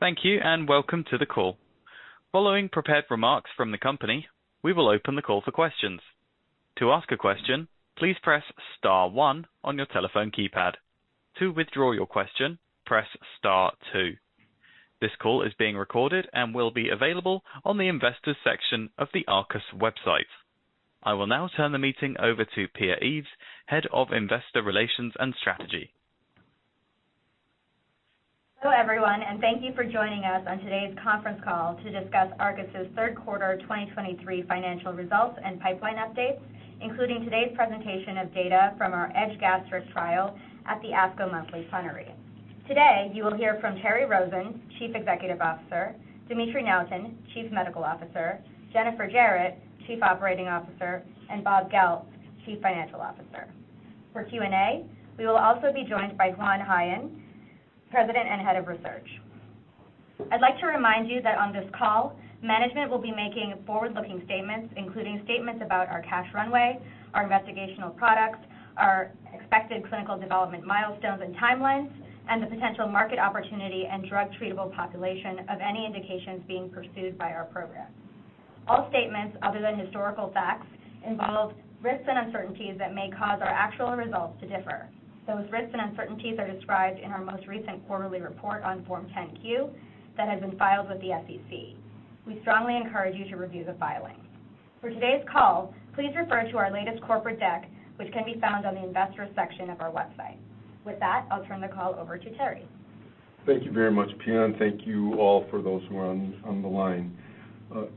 Thank you, and welcome to the call. Following prepared remarks from the company, we will open the call for questions. To ask a question, please press star one on your telephone keypad. To withdraw your question, press star two. This call is being recorded and will be available on the Investors section of the Arcus website. I will now turn the meeting over to Pia Eaves, Head of Investor Relations and Strategy. Hello everyone, and thank you for joining us on today's conference call to discuss Arcus's third quarter 2023 financial results and pipeline updates, including today's presentation of data from our EDGE-Gastric trial at the ASCO Monthly Plenary. Today, you will hear from Terry Rosen, Chief Executive Officer, Dimitry Nuyten, Chief Medical Officer, Jennifer Jarrett, Chief Operating Officer, and Bob Goeltz, Chief Financial Officer. For Q&A, we will also be joined by Juan Jaen, President and Head of Research. I'd like to remind you that on this call, management will be making forward-looking statements, including statements about our cash runway, our investigational products, our expected clinical development milestones and timelines, and the potential market opportunity and drug treatable population of any indications being pursued by our program. All statements other than historical facts, involve risks and uncertainties that may cause our actual results to differ. Those risks and uncertainties are described in our most recent quarterly report on Form 10-Q that has been filed with the SEC. We strongly encourage you to review the filing. For today's call, please refer to our latest corporate deck, which can be found on the investors section of our website. With that, I'll turn the call over to Terry. Thank you very much Pia, and thank you all for those who are on the line.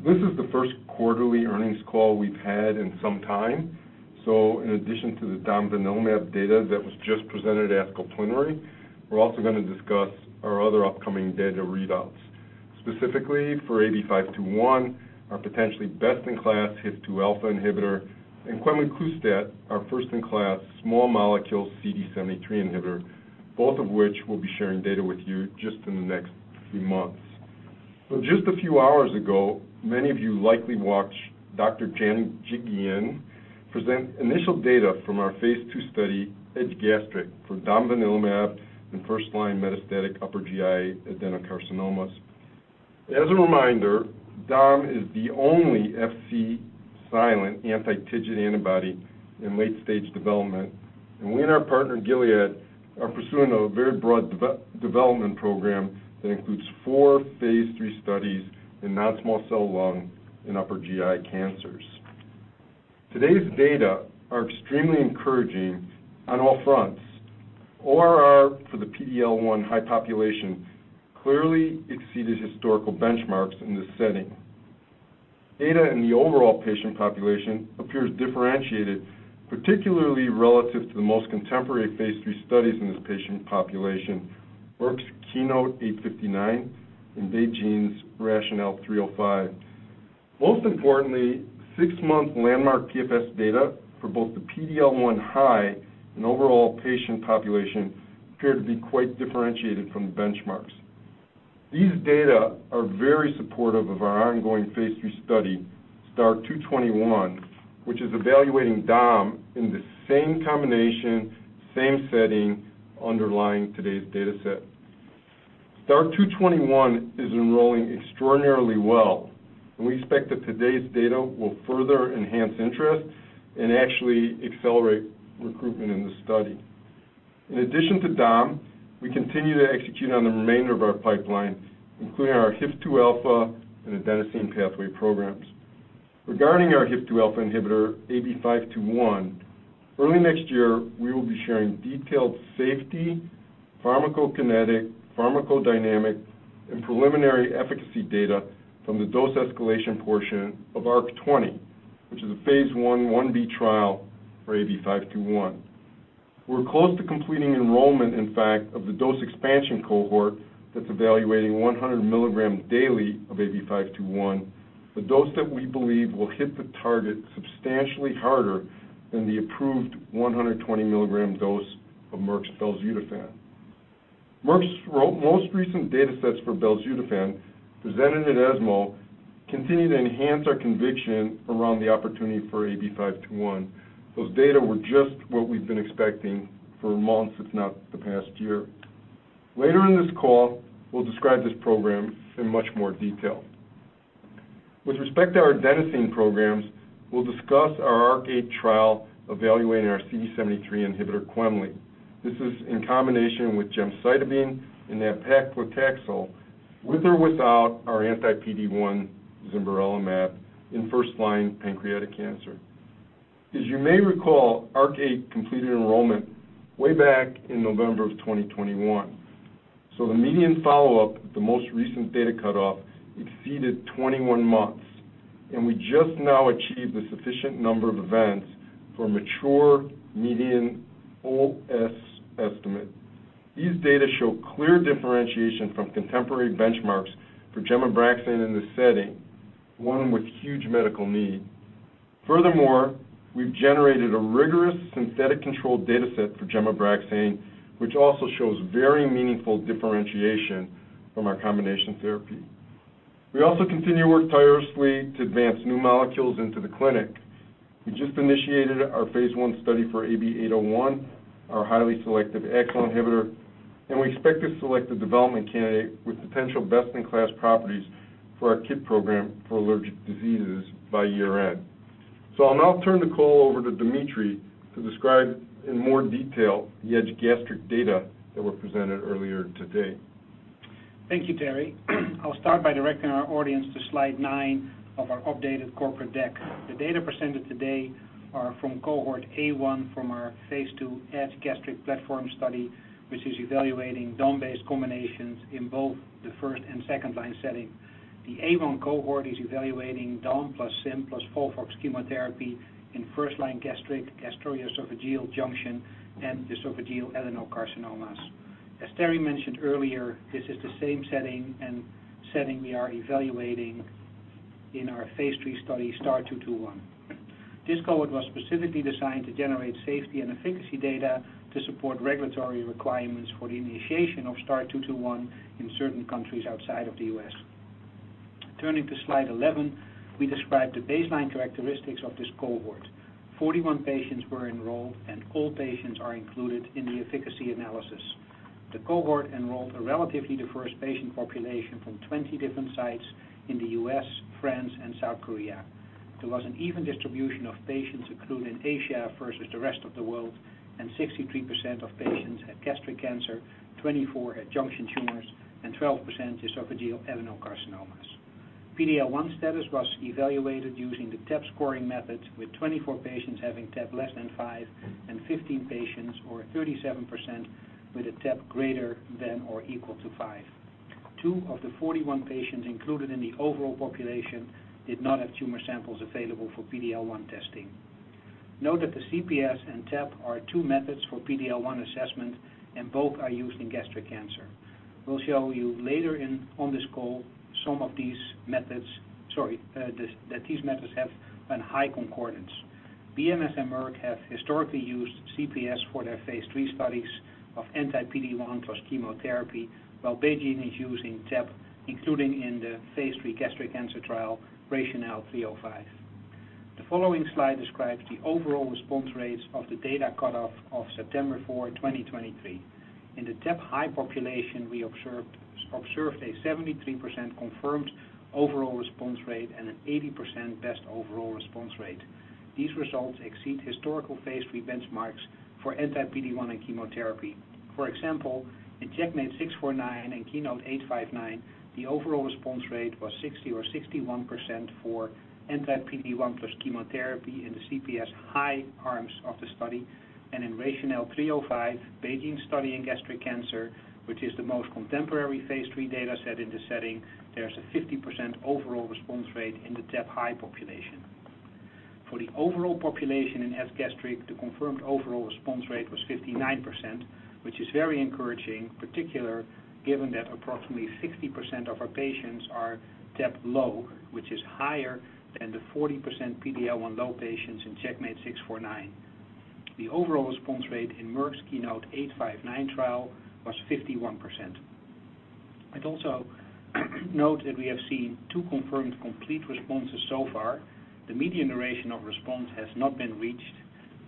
This is the first quarterly earnings call we've had in some time, so in addition to the domvanalimab data that was just presented at ASCO Plenary, we're also going to discuss our other upcoming data readouts, specifically for AB521, our potentially best-in-class HIF-2α inhibitor, and quemliclustat, our first-in-class small molecule CD73 inhibitor, both of which we'll be sharing data with you just in the next few months. So just a few hours ago, many of you likely watched Dr. Janjigian present initial data from our phase II study, EDGE-Gastric, for domvanalimab in first-line metastatic upper GI adenocarcinomas. As a reminder, dom is the only Fc-silent anti-TIGIT antibody in late-stage development, and we and our partner, Gilead, are pursuing a very broad development program that includes four phase III studies in non-small cell lung and upper GI cancers. Today's data are extremely encouraging on all fronts. ORR for the PD-L1 high population clearly exceeded historical benchmarks in this setting. Data in the overall patient population appears differentiated, particularly relative to the most contemporary phase III studies in this patient population, Merck's KEYNOTE-859, and BeiGene's RATIONALE-305 Most importantly, six-month landmark PFS data for both the PD-L1 high and overall patient population appeared to be quite differentiated from the benchmarks. These data are very supportive of our ongoing phase III study, STAR-221, which is evaluating dom in the same combination, same setting underlying today's dataset. STAR-221 is enrolling extraordinarily well, and we expect that today's data will further enhance interest and actually accelerate recruitment in the study. In addition to dom, we continue to execute on the remainder of our pipeline, including our HIF-2α and adenosine pathway programs. Regarding our HIF-2α inhibitor, AB521, early next year, we will be sharing detailed safety, pharmacokinetic, pharmacodynamic, and preliminary efficacy data from the dose escalation portion of ARC-20, which is a phase 1/1b trial for AB521. We're close to completing enrollment, in fact, of the dose expansion cohort that's evaluating 100 mgs daily of AB521. The dose that we believe will hit the target substantially harder than the approved 120 mg dose of Merck's belzutifan. Merck's most recent datasets for belzutifan presented at ESMO continue to enhance our conviction around the opportunity for AB521. Those data were just what we've been expecting for months, if not the past year. Later in this call, we'll describe this program in much more detail. With respect to our adenosine programs, we'll discuss our ARC-8 trial evaluating our CD73 inhibitor, quemliclustat. This is in combination with gemcitabine and nab-paclitaxel, with or without our anti-PD-1, zimberelimab, in first-line pancreatic cancer. As you may recall, ARC-8 completed enrollment way back in November of 2021. So the median follow-up, the most recent data cutoff, exceeded 21 months, and we just now achieved a sufficient number of events for a mature median OS estimate. These data show clear differentiation from contemporary benchmarks for Gem/Abraxane in this setting, one with huge medical need. Furthermore, we've generated a rigorous synthetic-controlled dataset for Gem/Abraxane, which also shows very meaningful differentiation from our combination therapy. We also continue to work tirelessly to advance new molecules into the clinic. We just initiated our phase I study for AB801, our highly selective AXL inhibitor, and we expect to select a development candidate with potential best-in-class properties for our ITK program for allergic diseases by year-end. So I'll now turn the call over to Dimitry to describe in more detail the EDGE-Gastric data that were presented earlier today. Thank you, Terry. I'll start by directing our audience to slide nine of our updated corporate deck. The data presented today are from cohort A1 from our phase II EDGE-Gastric platform study, which is evaluating dom-based combinations in both the first- and second-line setting. The A1 cohort is evaluating dom plus sim plus FOLFOX chemotherapy in first-line gastric, gastroesophageal junction, and esophageal adenocarcinoma. As Terry mentioned earlier, this is the same setting and setting we are evaluating in our phase III study, STAR-221. This cohort was specifically designed to generate safety and efficacy data to support regulatory requirements for the initiation of STAR-221 in certain countries outside of the U.S. Turning to slide 11, we describe the baseline characteristics of this cohort. 41 patients were enrolled, and all patients are included in the efficacy analysis. The cohort enrolled a relatively diverse patient population from 20 different sites in the U.S., France, and South Korea. There was an even distribution of patients included in Asia versus the rest of the world, and 63% of patients had gastric cancer, 24% had junction tumors, and 12% esophageal adenocarcinoma. PD-L1 status was evaluated using the TAP scoring method, with 24 patients having TAP less than 5 and 15 patients or 37% with a TAP greater than or equal to 5. Two of the 41 patients included in the overall population did not have tumor samples available for PD-L1 testing. Note that the CPS and TAP are two methods for PD-L1 assessment, and both are used in gastric cancer. We'll show you later on in this call that these methods have a high concordance. BMS and Merck have historically used CPS for their phase III studies of anti-PD-1 plus chemotherapy, while BeiGene is using TAP, including in the phase III gastric cancer trial, RATIONALE-305. The following slide describes the overall response rates of the data cutoff of September 4, 2023. In the TAP high population, we observed a 73% confirmed overall response rate and an 80% best overall response rate. These results exceed historical phase III benchmarks for anti-PD-1 and chemotherapy. For example, in CheckMate 649 and KEYNOTE-859, the overall response rate was 60% or 61% for anti-PD-1 plus chemotherapy in the CPS high arms of the study. In RATIONALE-305, BeiGene study in gastric cancer, which is the most contemporary phase III data set in the setting, there's a 50% overall response rate in the TAP high population. For the overall population in second-line gastric, the confirmed overall response rate was 59%, which is very encouraging, particularly, given that approximately 60% of our patients are TAP low, which is higher than the 40% PD-L1 low patients in CheckMate 649. The overall response rate in Merck's KEYNOTE-859 trial was 51%. I'd also note that we have seen two confirmed complete responses so far. The median duration of response has not been reached,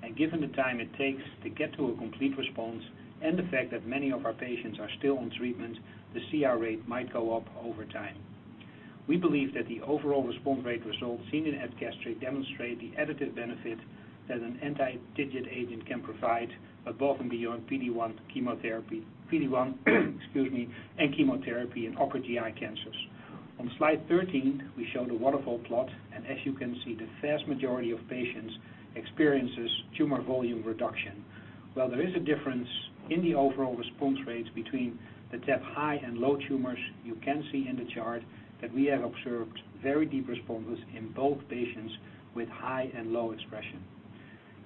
and given the time it takes to get to a complete response and the fact that many of our patients are still on treatment, the CR rate might go up over time. We believe that the overall response rate results seen in ARC-7 gastric demonstrate the additive benefit that an anti-TIGIT agent can provide, but above and beyond PD-1 chemotherapy, PD-1, excuse me, and chemotherapy in upper GI cancers. On slide 13, we show the waterfall plot, and as you can see, the vast majority of patients experiences tumor volume reduction. While there is a difference in the overall response rates between the TAP high and low tumors, you can see in the chart that we have observed very deep responders in both patients with high and low expression.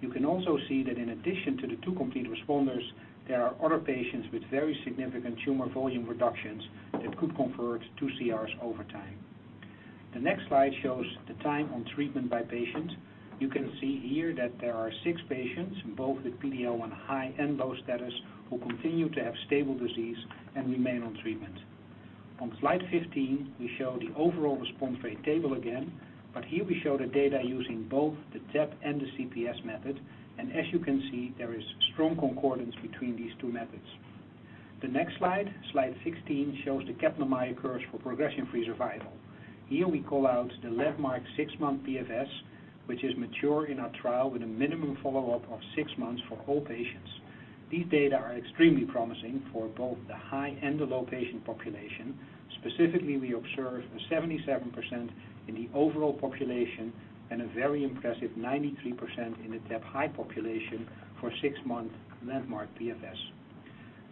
You can also see that in addition to the two complete responders, there are other patients with very significant tumor volume reductions that could convert to CRs over time. The next slide shows the time on treatment by patient. You can see here that there are six patients, both with PD-L1 high and low status, who continue to have stable disease and remain on treatment. On slide 15, we show the overall response rate table again, but here we show the data using both the TAP and the CPS method, and as you can see, there is strong concordance between these two methods. The next slide, slide 16, shows the Kaplan-Meier curves for progression-free survival. Here we call out the landmark six-month PFS, which is mature in our trial with a minimum follow-up of six months for all patients. These data are extremely promising for both the high and the low patient population. Specifically, we observe a 77% in the overall population and a very impressive 93% in the TAP high population for six-month landmark PFS.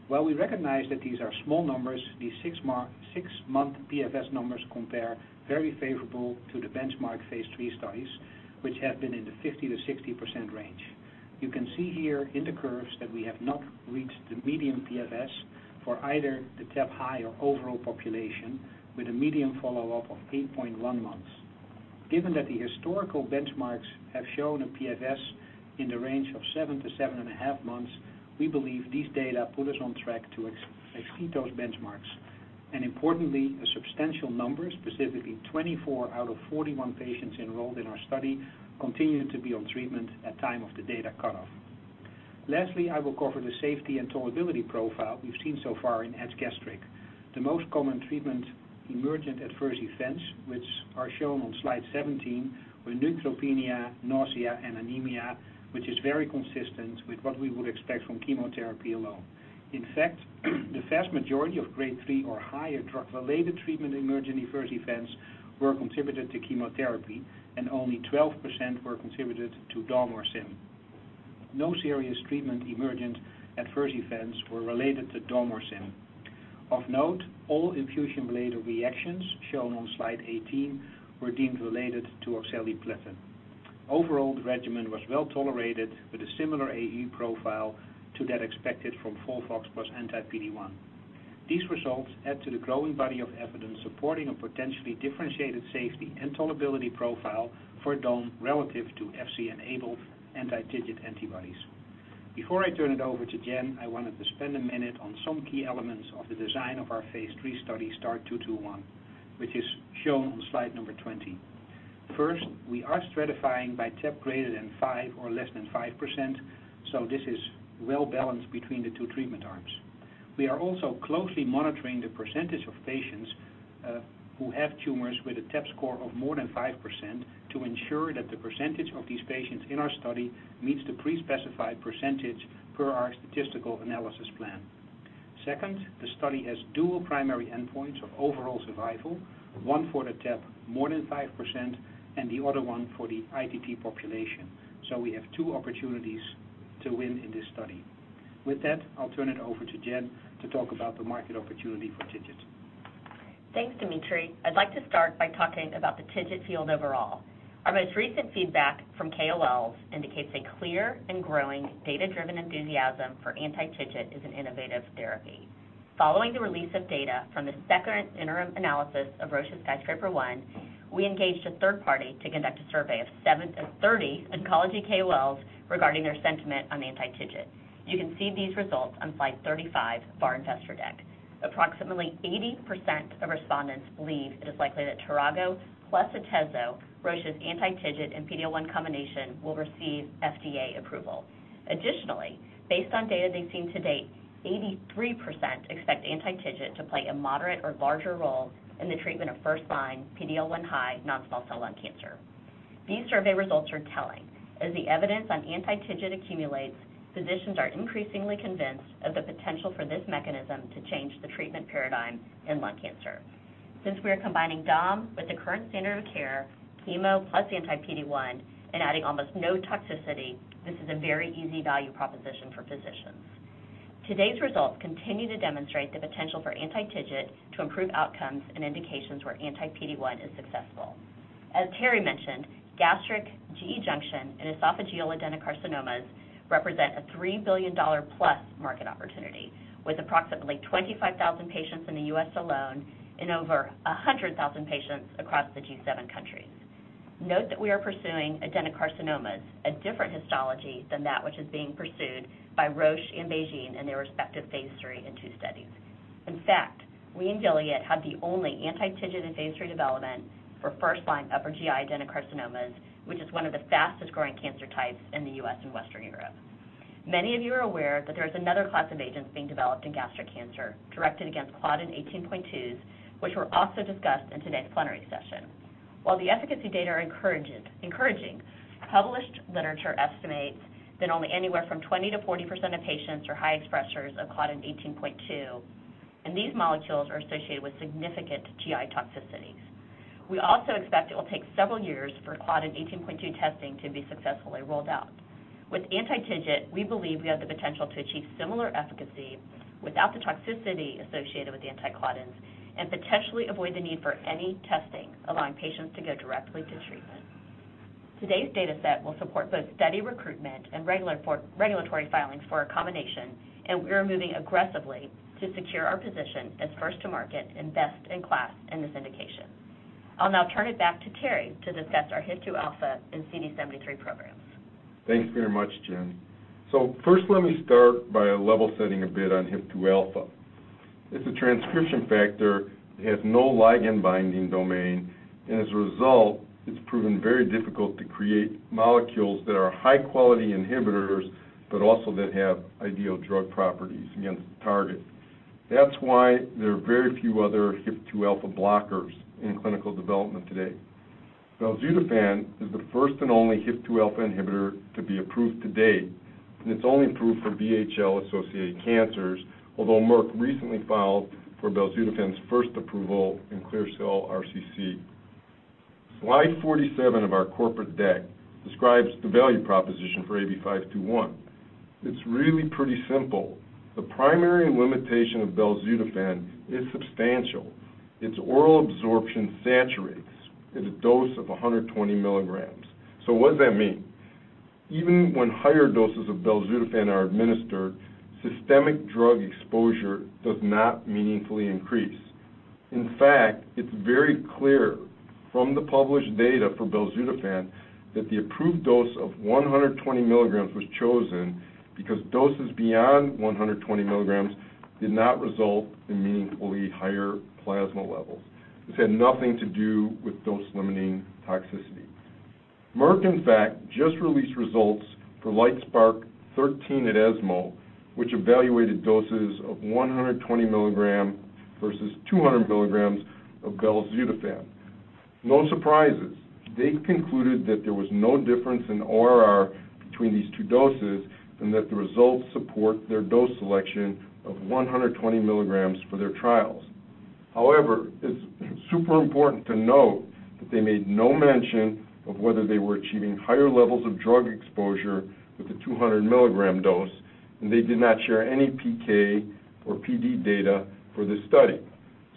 While we recognize that these are small numbers, these six-month PFS numbers compare very favorable to the benchmark phase III studies, which have been in the 50%-60% range. You can see here in the curves that we have not reached the median PFS for either the TAP high or overall population with a median follow-up of 8.1 months. Given that the historical benchmarks have shown a PFS in the range of 7-7.5 months, we believe these data put us on track to exceed those benchmarks. Importantly, a substantial number, specifically 24 out of 41 patients enrolled in our study, continued to be on treatment at time of the data cut off. Lastly, I will cover the safety and tolerability profile we've seen so far in Edge-Gastric. The most common treatment-emergent adverse events, which are shown on slide 17, were neutropenia, nausea, and anemia, which is very consistent with what we would expect from chemotherapy alone. In fact, the vast majority of Grade 3 or higher drug-related treatment-emergent adverse events were contributed to chemotherapy, and only 12% were contributed to dom or sim. No serious treatment-emergent adverse events were related to dom or sim. Of note, all infusion-related reactions shown on slide 18 were deemed related to oxaliplatin. Overall, the regimen was well-tolerated, with a similar AE profile to that expected from FOLFOX plus anti-PD-1. These results add to the growing body of evidence supporting a potentially differentiated safety and tolerability profile for dom relative to Fc-enabled anti-TIGIT antibodies. Before I turn it over to Jen, I wanted to spend a minute on some key elements of the design of our phase III study, STAR-221, which is shown on slide number 20. First, we are stratifying by TAP greater than 5% or less than 5%, so this is well-balanced between the two treatment arms. We are also closely monitoring the percentage of patients who have tumors with a TAP score of more than 5%, to ensure that the percentage of these patients in our study meets the pre-specified percentage per our statistical analysis plan. Second, the study has dual primary endpoints of overall survival, one for the TAP more than 5%, and the other one for the ITT population. We have two opportunities to win in this study. With that, I'll turn it over to Jen to talk about the market opportunity for TIGIT. Thanks, Dimitry. I'd like to start by talking about the TIGIT field overall. Our most recent feedback from KOLs indicates a clear and growing data-driven enthusiasm for anti-TIGIT as an innovative therapy. Following the release of data from the second interim analysis of Roche's Skyscraper-1, we engaged a third party to conduct a survey of 70 oncology KOLs regarding their sentiment on the anti-TIGIT. You can see these results on slide 35 of our investor deck. Approximately 80% of respondents believe it is likely that tiragolumab plus atezolizumab, Roche's anti-TIGIT and PD-L1 combination, will receive FDA approval. Additionally, based on data they've seen to date, 83% expect anti-TIGIT to play a moderate or larger role in the treatment of first-line PD-L1 high non-small cell lung cancer. These survey results are telling. As the evidence on anti-TIGIT accumulates, physicians are increasingly convinced of the potential for this mechanism to change the treatment paradigm in lung cancer. Since we are combining dom with the current standard of care, chemo plus anti-PD-1, and adding almost no toxicity, this is a very easy value proposition for physicians. Today's results continue to demonstrate the potential for anti-TIGIT to improve outcomes in indications where anti-PD-1 is successful. As Terry mentioned, gastric gastroesophageal junction and esophageal adenocarcinomas represent a $3 billion+ market opportunity, with approximately 25,000 patients in the U.S. alone and over 100,000 patients across the G7 countries. Note that we are pursuing adenocarcinomas, a different histology than that which is being pursued by Roche and BeiGene in their respective phase III and phase II studies. In fact, we and Gilead have the only anti-TIGIT in phase III development for first-line upper GI adenocarcinomas, which is one of the fastest-growing cancer types in the U.S. and Western Europe. Many of you are aware that there is another class of agents being developed in gastric cancer directed against claudin 18.2s, which were also discussed in today's plenary session. While the efficacy data are encouraging, published literature estimates that only anywhere from 20%-40% of patients are high expressers of claudin 18.2, and these molecules are associated with significant GI toxicities. We also expect it will take several years for claudin 18.2 testing to be successfully rolled out. With anti-TIGIT, we believe we have the potential to achieve similar efficacy without the toxicity associated with the anti-claudins, and potentially avoid the need for any testing, allowing patients to go directly to treatment. Today's data set will support both study recruitment and regulatory filings for a combination, and we are moving aggressively to secure our position as first to market and best in class in this indication. I'll now turn it back to Terry to discuss our HIF-2α and CD73 programs. Thanks very much, Jen. So first, let me start by level setting a bit on HIF-2α. It's a transcription factor that has no ligand binding domain, and as a result, it's proven very difficult to create molecules that are high-quality inhibitors, but also that have ideal drug properties against the target. That's why there are very few other HIF-2α blockers in clinical development today. Belzutifan is the first and only HIF-2α inhibitor to be approved to date, and it's only approved for VHL-associated cancers, although Merck recently filed for belzutifan's first approval in clear cell RCC. Slide 47 of our corporate deck describes the value proposition for AB521. It's really pretty simple. The primary limitation of belzutifan is substantial. Its oral absorption saturates at a dose of 120 mg. So what does that mean? Even when higher doses of belzutifan are administered, systemic drug exposure does not meaningfully increase. In fact, it's very clear from the published data for belzutifan that the approved dose of 120 mg was chosen because doses beyond 120 mg did not result in meaningfully higher plasma levels. This had nothing to do with dose-limiting toxicity. Merck, in fact, just released results for LITESPARK-013 at ESMO, which evaluated doses of 120 mg vs 200 mg of belzutifan. No surprises. They concluded that there was no difference in ORR between these two doses and that the results support their dose selection of 120 mg for their trials. However, it's super important to note that they made no mention of whether they were achieving higher levels of drug exposure with the 200 mg dose, and they did not share any PK or PD data for this study.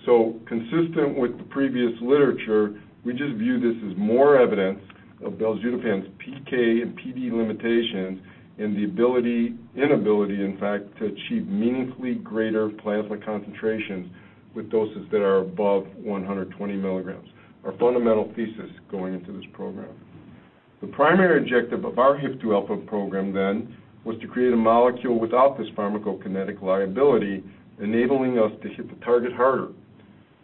So consistent with the previous literature, we just view this as more evidence of belzutifan's PK and PD limitations and the ability - inability, in fact, to achieve meaningfully greater plasma concentrations with doses that are above 120 mg. Our fundamental thesis going into this program. The primary objective of our HIF-2α program then, was to create a molecule without this pharmacokinetic liability, enabling us to hit the target harder.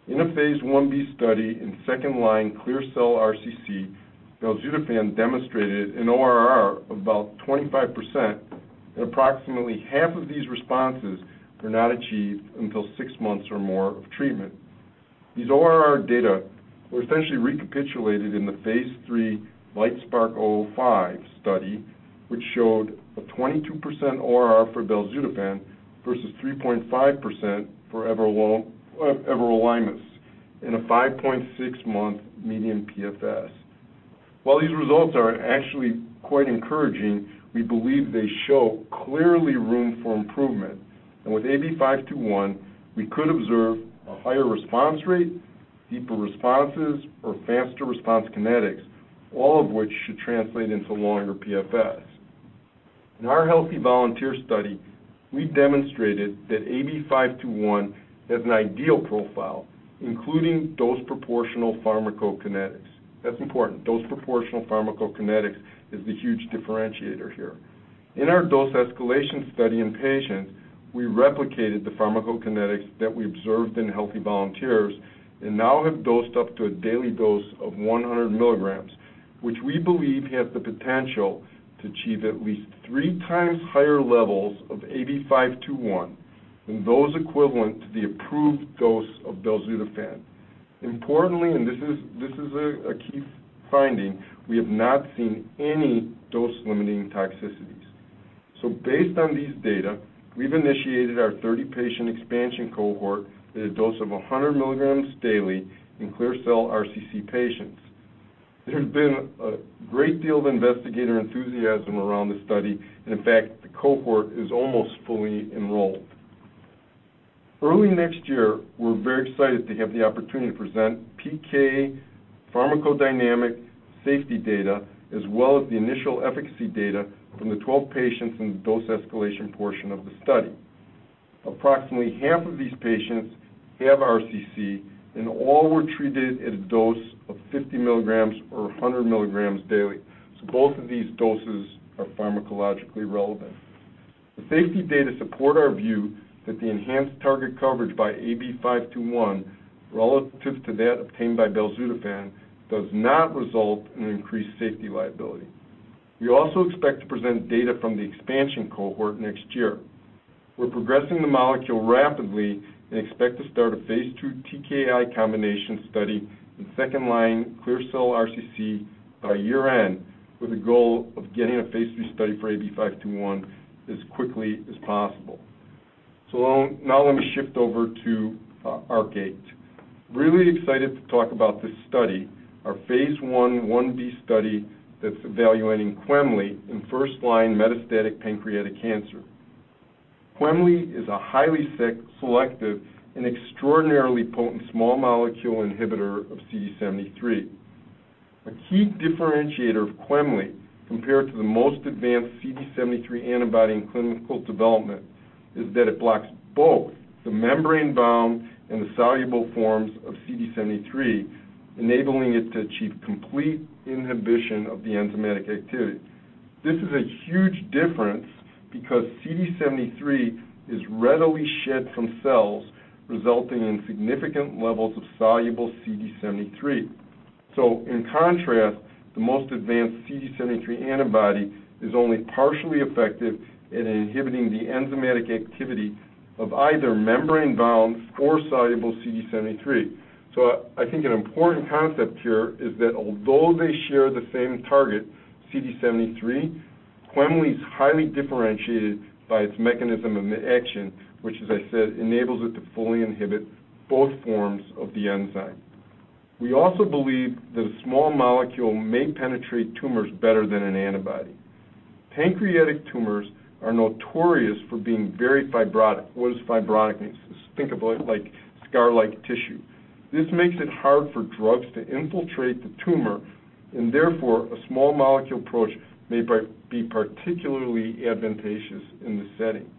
In a phase 1b study in second-line clear cell RCC, belzutifan demonstrated an ORR of about 25%, and approximately half of these responses were not achieved until six months or more of treatment. These ORR data were essentially recapitulated in the phase III LITESPARK-005 study, which showed a 22% ORR for belzutifan versus 3.5% for everolimus in a 5.6-month median PFS. While these results are actually quite encouraging, we believe they show clearly room for improvement, and with AB521, we could observe a higher response rate, deeper responses, or faster response kinetics, all of which should translate into longer PFS. In our healthy volunteer study, we demonstrated that AB521 has an ideal profile, including dose-proportional pharmacokinetics. That's important. Dose-proportional pharmacokinetics is the huge differentiator here. In our dose escalation study in patients, we replicated the pharmacokinetics that we observed in healthy volunteers and now have dosed up to a daily dose of 100 mg, which we believe has the potential to achieve at least three times higher levels of AB521 than those equivalent to the approved dose of belzutifan. Importantly, and this is a key finding, we have not seen any dose-limiting toxicities. So based on these data, we've initiated our 30-patient expansion cohort at a dose of 100 mg daily in clear cell RCC patients. There's been a great deal of investigator enthusiasm around the study, and in fact, the cohort is almost fully enrolled. Early next year, we're very excited to have the opportunity to present PK pharmacodynamic safety data, as well as the initial efficacy data from the 12 patients in the dose escalation portion of the study. Approximately half of these patients have RCC, and all were treated at a dose of 50 mg or 100 mg daily, so both of these doses are pharmacologically relevant. The safety data support our view that the enhanced target coverage by AB521, relative to that obtained by belzutifan, does not result in increased safety liability. We also expect to present data from the expansion cohort next year. We're progressing the molecule rapidly and expect to start a phase II TKI combination study in second-line clear cell RCC by year-end, with the goal of getting a phase III study for AB521 as quickly as possible. So now let me shift over to ARC-8. Really excited to talk about this study, our phase 1/1b study that's evaluating quemli in first-line metastatic pancreatic cancer. Quemli is a highly selective and extraordinarily potent small molecule inhibitor of CD73. A key differentiator of quemli compared to the most advanced CD73 antibody in clinical development, is that it blocks both the membrane-bound and the soluble forms of CD73, enabling it to achieve complete inhibition of the enzymatic activity. This is a huge difference because CD73 is readily shed from cells, resulting in significant levels of soluble CD73. So in contrast, the most advanced CD73 antibody is only partially effective in inhibiting the enzymatic activity of either membrane-bound or soluble CD73. So I think an important concept here is that although they share the same target, CD73, quemliclustat is highly differentiated by its mechanism of action, which, as I said, enables it to fully inhibit both forms of the enzyme. We also believe that a small molecule may penetrate tumors better than an antibody. Pancreatic tumors are notorious for being very fibrotic. What does fibrotic mean? Think of like scar-like tissue. This makes it hard for drugs to infiltrate the tumor, and therefore, a small molecule approach may be particularly advantageous in this setting.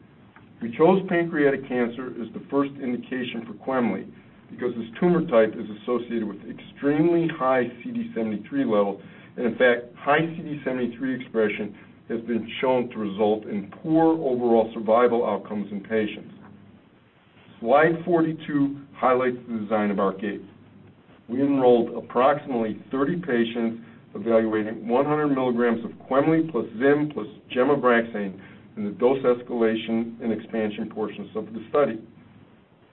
We chose pancreatic cancer as the first indication for quemliclustat, because this tumor type is associated with extremely high CD73 levels, and in fact, high CD73 expression has been shown to result in poor overall survival outcomes in patients. Slide 42 highlights the design of ARC-8. We enrolled approximately 30 patients, evaluating 100 mgs of quemli plus zim plus gemcitabine in the dose escalation and expansion portions of the study.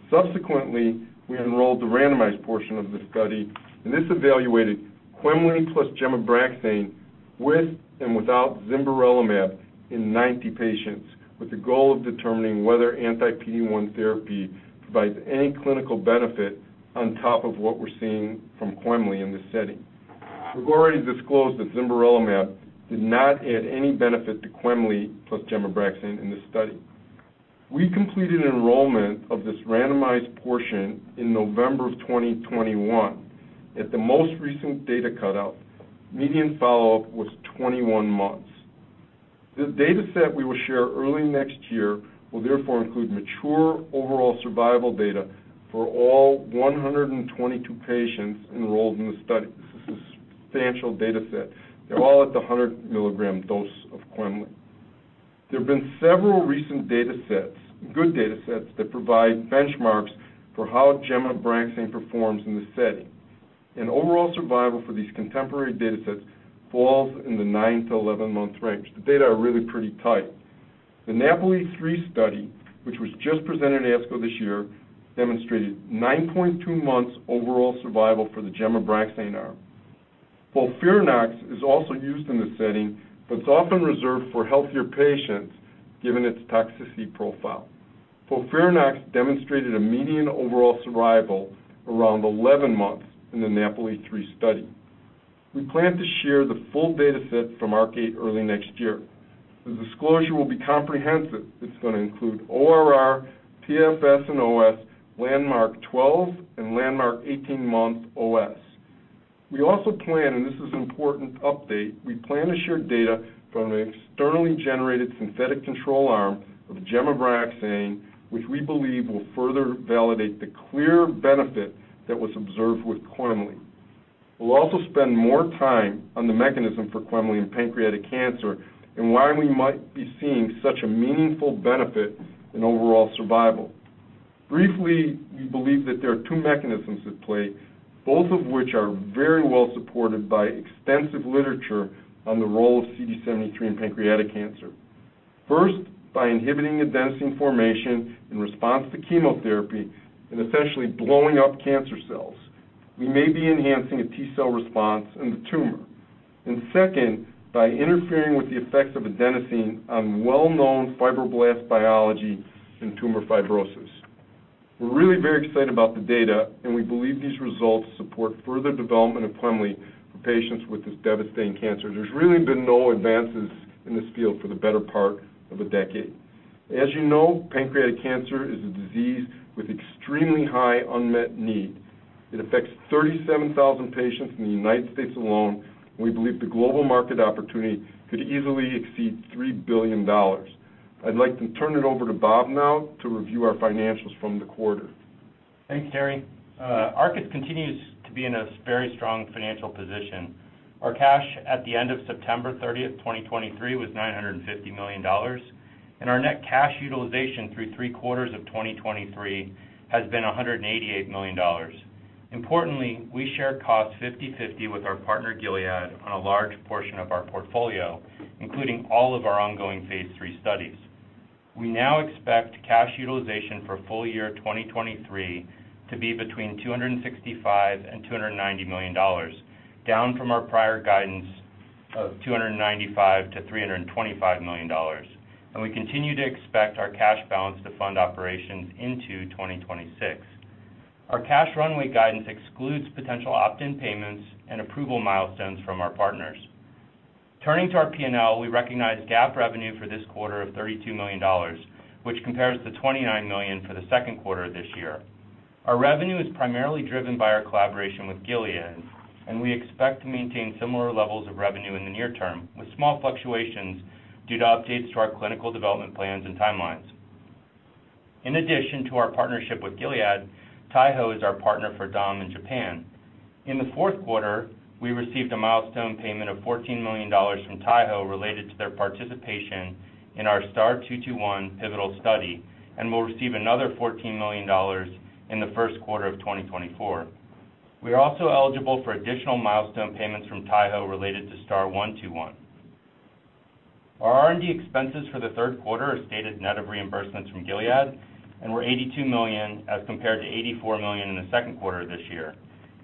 Subsequently, we enrolled the randomized portion of the study, and this evaluated quemli plus gemcitabine with and without zimberelimab in 90 patients, with the goal of determining whether anti-PD-1 therapy provides any clinical benefit on top of what we're seeing from quemli in this setting. We've already disclosed that zimberelimab did not add any benefit to quemli plus gemcitabine in this study. We completed enrollment of this randomized portion in November of 2021. At the most recent data cut-out, median follow-up was 21 months. The data set we will share early next year will therefore include mature overall survival data for all 122 patients enrolled in the study. This is a substantial data set. They're all at the 100-mg dose of quemliclustat. There have been several recent data sets, good data sets, that provide benchmarks for how gemcitabine performs in this setting. Overall survival for these contemporary data sets falls in the nine to 11-month range. The data are really pretty tight. The NAPOLI 3 study, which was just presented at ASCO this year, demonstrated 9.2 months overall survival for the gemcitabine arm. FOLFIRINOX is also used in this setting, but it's often reserved for healthier patients, given its toxicity profile. FOLFIRINOX demonstrated a median overall survival around 11 months in the NAPOLI 3 study. We plan to share the full data set from ARC-8 early next year. The disclosure will be comprehensive. It's going to include ORR, PFS, and OS, landmark 12 and landmark 18-month OS. We also plan, and this is an important update, we plan to share data from an externally generated synthetic control arm of gemcitabine, which we believe will further validate the clear benefit that was observed with quemliclustat. We'll also spend more time on the mechanism for quemliclustat in pancreatic cancer and why we might be seeing such a meaningful benefit in overall survival. Briefly, we believe that there are two mechanisms at play, both of which are very well supported by extensive literature on the role of CD73 in pancreatic cancer. First, by inhibiting adenosine formation in response to chemotherapy and essentially blowing up cancer cells, we may be enhancing a T cell response in the tumor. And second, by interfering with the effects of adenosine on well-known fibroblast biology and tumor fibrosis. We're really very excited about the data, and we believe these results support further development of quemliclustat for patients with this devastating cancer. There's really been no advances in this field for the better part of a decade. As you know, pancreatic cancer is a disease with extremely high unmet need. It affects 37,000 patients in the United States alone. We believe the global market opportunity could easily exceed $3 billion. I'd like to turn it over to Bob now to review our financials from the quarter. Thanks, Terry. Arcus continues to be in a very strong financial position. Our cash at the end of September 30, 2023, was $950 million, and our net cash utilization through three quarters of 2023 has been $188 million. Importantly, we share costs 50/50 with our partner, Gilead, on a large portion of our portfolio, including all of our ongoing phase III studies. We now expect cash utilization for full year 2023 to be between $265 million and $290 million, down from our prior guidance of $295 million-$325 million, and we continue to expect our cash balance to fund operations into 2026. Our cash runway guidance excludes potential opt-in payments and approval milestones from our partners. Turning to our P&L, we recognize GAAP revenue for this quarter of $32 million, which compares to $29 million for the second quarter this year. Our revenue is primarily driven by our collaboration with Gilead, and we expect to maintain similar levels of revenue in the near term, with small fluctuations due to updates to our clinical development plans and timelines. In addition to our partnership with Gilead, Taiho is our partner for Dom in Japan. In the fourth quarter, we received a milestone payment of $14 million from Taiho related to their participation in our STAR-221 pivotal study and will receive another $14 million in the first quarter of 2024. We are also eligible for additional milestone payments from Taiho related to STAR-121. Our R&D expenses for the third quarter are stated net of reimbursements from Gilead and were $82 million, as compared to $84 million in the second quarter of this year.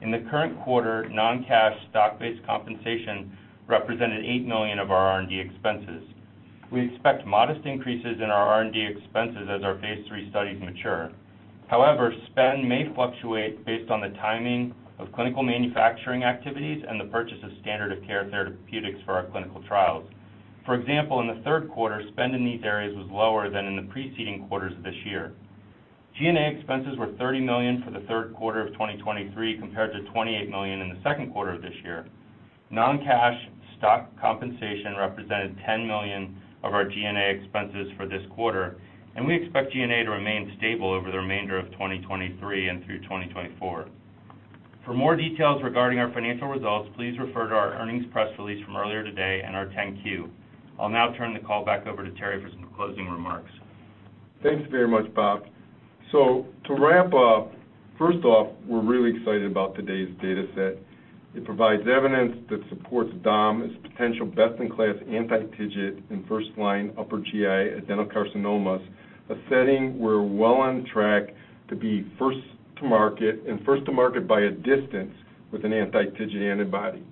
In the current quarter, non-cash stock-based compensation represented $8 million of our R&D expenses. We expect modest increases in our R&D expenses as our phase III studies mature. However, spend may fluctuate based on the timing of clinical manufacturing activities and the purchase of standard of care therapeutics for our clinical trials. For example, in the third quarter, spend in these areas was lower than in the preceding quarters of this year. G&A expenses were $30 million for the third quarter of 2023, compared to $28 million in the second quarter of this year. Non-cash stock compensation represented $10 million of our G&A expenses for this quarter, and we expect G&A to remain stable over the remainder of 2023 and through 2024. For more details regarding our financial results, please refer to our earnings press release from earlier today and our 10-Q. I'll now turn the call back over to Terry for some closing remarks. Thanks very much, Bob. So to wrap up, first off, we're really excited about today's data set. It provides evidence that supports dom as potential best-in-class anti-TIGIT in first-line upper GI adenocarcinomas, a setting we're well on track to be first to market, and first to market by a distance with an anti-TIGIT antibody.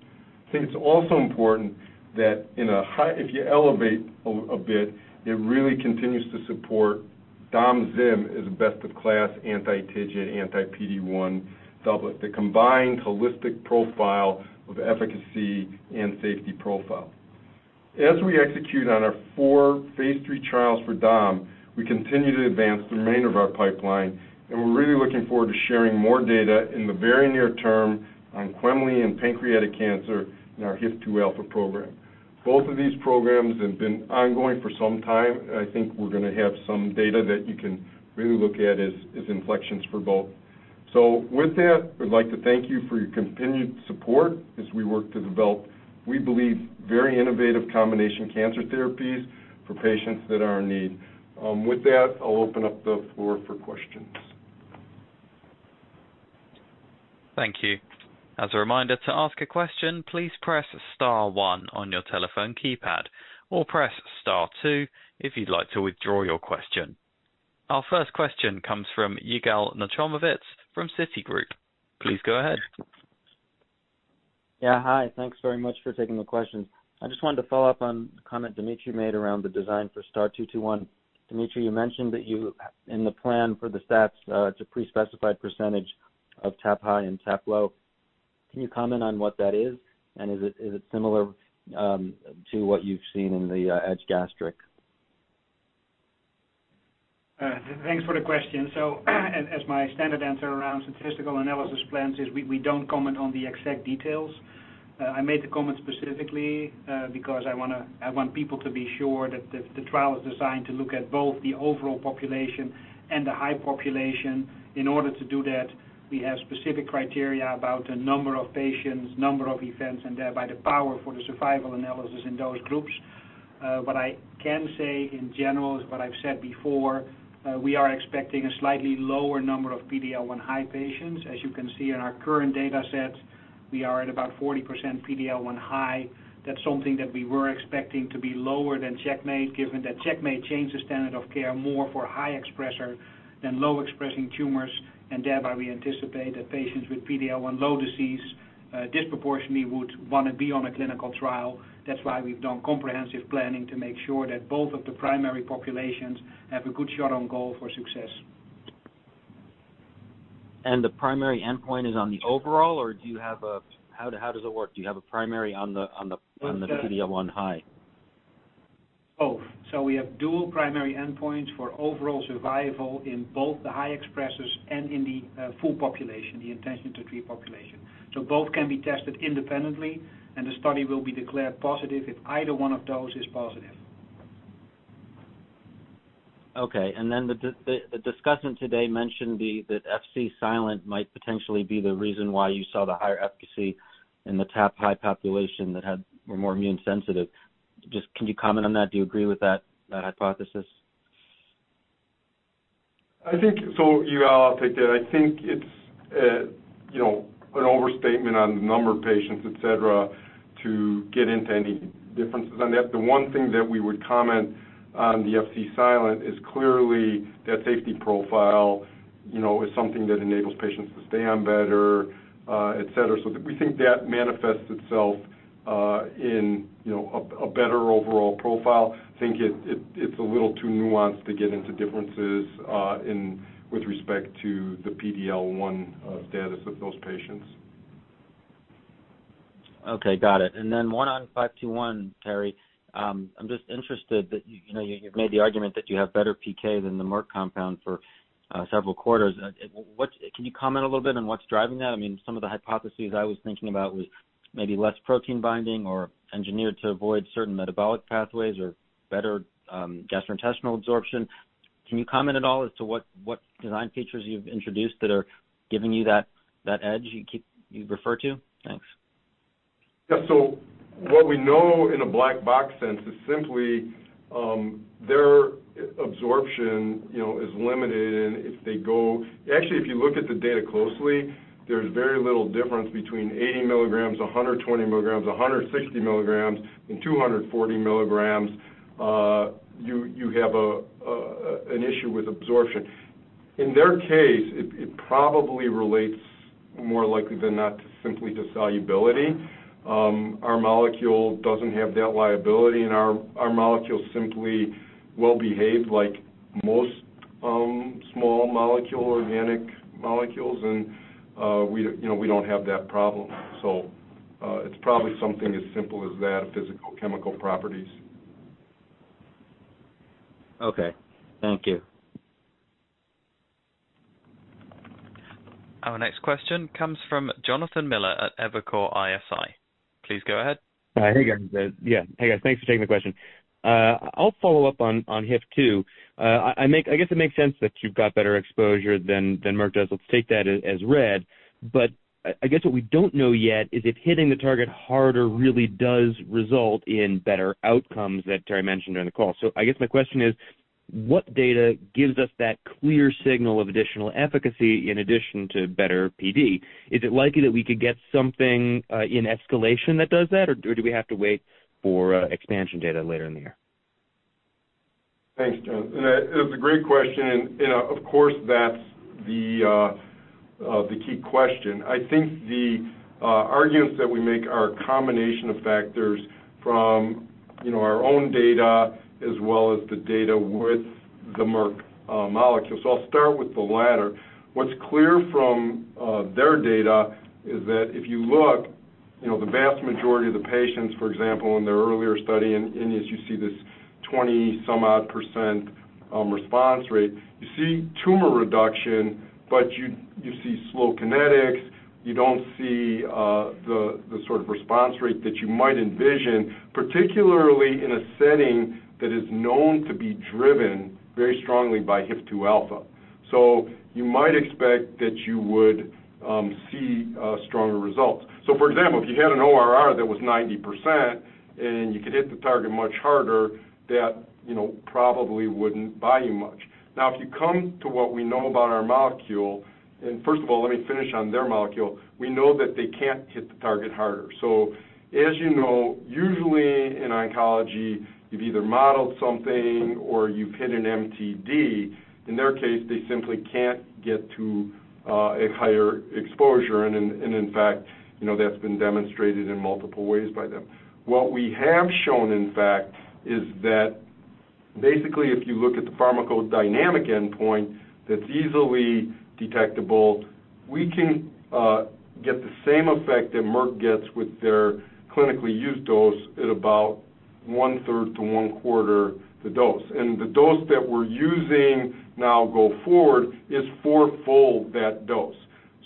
I think it's also important that in a high. If you elevate a bit, it really continues to support domzim as a best-of-class anti-TIGIT, anti-PD-1 doublet, the combined holistic profile of efficacy and safety profile. As we execute on our four phase III trials for dom, we continue to advance the remainder of our pipeline, and we're really looking forward to sharing more data in the very near-term on quemliclustat and pancreatic cancer in our HIF-2α program. Both of these programs have been ongoing for some time. I think we're gonna have some data that you can really look at as, as inflections for both. So with that, we'd like to thank you for your continued support as we work to develop, we believe, very innovative combination cancer therapies for patients that are in need. With that, I'll open up the floor for questions. Thank you. As a reminder, to ask a question, please press star one on your telephone keypad, or press star two if you'd like to withdraw your question. Our first question comes from Yigal Nochomovitz from Citigroup. Please go ahead. Yeah, hi. Thanks very much for taking the questions. I just wanted to follow up on the comment Dimitry made around the design for STAR-221. Dimitry, you mentioned that you, in the plan for the stats, it's a prespecified percentage of TAP high and TAP low. Can you comment on what that is, and is it similar to what you've seen in the EDGE-Gastric? Thanks for the question. So as my standard answer around statistical analysis plans is we don't comment on the exact details. I made the comment specifically because I want people to be sure that the trial is designed to look at both the overall population and the high population. In order to do that, we have specific criteria about the number of patients, number of events, and thereby the power for the survival analysis in those groups. What I can say in general is what I've said before, we are expecting a slightly lower number of PD-L1 high patients. As you can see in our current data set, we are at about 40% PD-L1 high. That's something that we were expecting to be lower than CheckMate, given that CheckMate changed the standard of care more for high expressor than low-expressing tumors, and thereby we anticipate that patients with PD-L1 low disease, disproportionately would wanna be on a clinical trial. That's why we've done comprehensive planning to make sure that both of the primary populations have a good shot on goal for success. The primary endpoint is on the overall, or do you have a, how does it work? Do you have a primary on the- PD-L1 high? Both. So we have dual primary endpoints for overall survival in both the high expressors and in the full population, the intention-to-treat population. So both can be tested independently, and the study will be declared positive if either one of those is positive. Okay, and then the discussant today mentioned that Fc-silent might potentially be the reason why you saw the higher efficacy in the TAP high population that were more immune sensitive. Just can you comment on that? Do you agree with that, that hypothesis? I think so, Yigal, I'll take that. I think it's, you know, an overstatement on the number of patients, et cetera, to get into any differences on that. The one thing that we would comment on the Fc-silent is clearly that safety profile, you know, is something that enables patients to stay on better, et cetera. So we think that manifests itself, you know, in a better overall profile. I think it's a little too nuanced to get into differences in with respect to the PD-L1 status of those patients. Okay, got it. And then AB521, Terry. I'm just interested that, you know, you've made the argument that you have better PK than the Merck compound for several quarters. What can you comment a little bit on what's driving that? I mean, some of the hypotheses I was thinking about was maybe less protein binding or engineered to avoid certain metabolic pathways or better gastrointestinal absorption. Can you comment at all as to what design features you've introduced that are giving you that edge you refer to? Thanks. Yeah. So what we know in a black box sense is simply, their absorption, you know, is limited, and if they go. Actually, if you look at the data closely, there's very little difference between 80 mgs, 120 mgs, 160 mgs, and 240 mgs. You have an issue with absorption. In their case, it probably relates more likely than not to simply to solubility. Our molecule doesn't have that liability, and our molecule simply well-behaved like most small molecule, organic molecules, and we, you know, we don't have that problem. So, it's probably something as simple as that, physical chemical properties. Okay, thank you. Our next question comes from Jonathan Miller at Evercore ISI. Please go ahead. Hi. Hey, guys. Yeah, hey, guys. Thanks for taking the question. I'll follow up on HIF-2. I guess it makes sense that you've got better exposure than Merck does. Let's take that as read. But I guess what we don't know yet is if hitting the target harder really does result in better outcomes that Terry mentioned during the call. So I guess my question is, what data gives us that clear signal of additional efficacy in addition to better PD? Is it likely that we could get something in escalation that does that, or do we have to wait for expansion data later in the year? Thanks, Jon, and that is a great question. Of course, that's the key question. I think the arguments that we make are a combination of factors from, you know, our own data as well as the data with the Merck molecule. I'll start with the latter. What's clear from their data is that if you look, you know, the vast majority of the patients, for example, in their earlier study, and as you see this 20-some odd percent response rate, you see tumor reduction, but you see slow kinetics. You don't see the sort of response rate that you might envision, particularly in a setting that is known to be driven very strongly by HIF-2. You might expect that you would see stronger results. So for example, if you had an ORR that was 90% and you could hit the target much harder, that, you know, probably wouldn't buy you much. Now, if you come to what we know about our molecule. And first of all, let me finish on their molecule. We know that they can't hit the target harder. So as you know, usually in oncology, you've either modeled something or you've hit an MTD. In their case, they simply can't get to a higher exposure, and in fact, you know, that's been demonstrated in multiple ways by them. What we have shown, in fact, is that basically if you look at the pharmacodynamic endpoint that's easily detectable, we can get the same effect that Merck gets with their clinically used dose at about one-third to one-quarter the dose. The dose that we're using now go forward is fourfold that dose.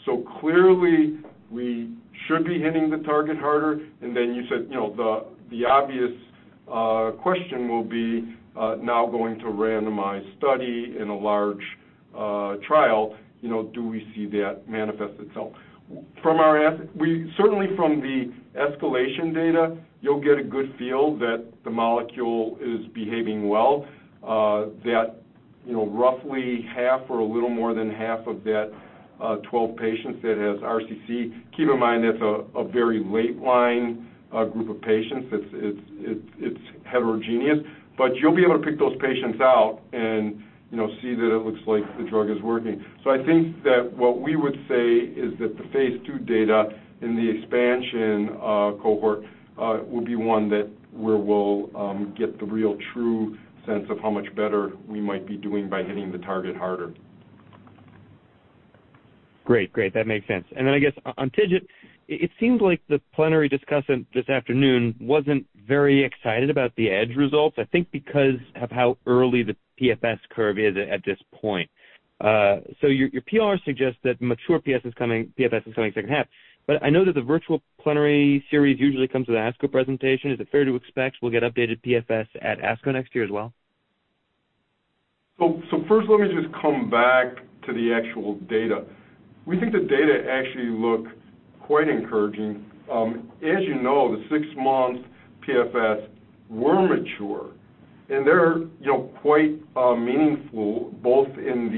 So clearly, we should be hitting the target harder. Then you said, you know, the obvious question will be now going to randomized study in a large trial, you know, do we see that manifest itself? From our certainly from the escalation data, you'll get a good feel that the molecule is behaving well, that, you know, roughly half or a little more than half of that 12 patients that has RCC. Keep in mind, that's a very late line group of patients. It's heterogeneous, but you'll be able to pick those patients out and, you know, see that it looks like the drug is working. So I think that what we would say is that the phase II data in the expansion cohort will be one that where we'll get the real true sense of how much better we might be doing by hitting the target harder. Great. Great, that makes sense. And then I guess on TIGIT, it seems like the plenary discussant this afternoon wasn't very excited about the EDGE results, I think because of how early the PFS curve is at this point. So your PR suggests that mature PFS is coming, PFS is coming second half. But I know that the virtual plenary series usually comes with ASCO presentation. Is it fair to expect we'll get updated PFS at ASCO next year as well? So first let me just come back to the actual data. We think the data actually look quite encouraging. As you know, the 6-month PFS were mature, and they're, you know, quite meaningful both in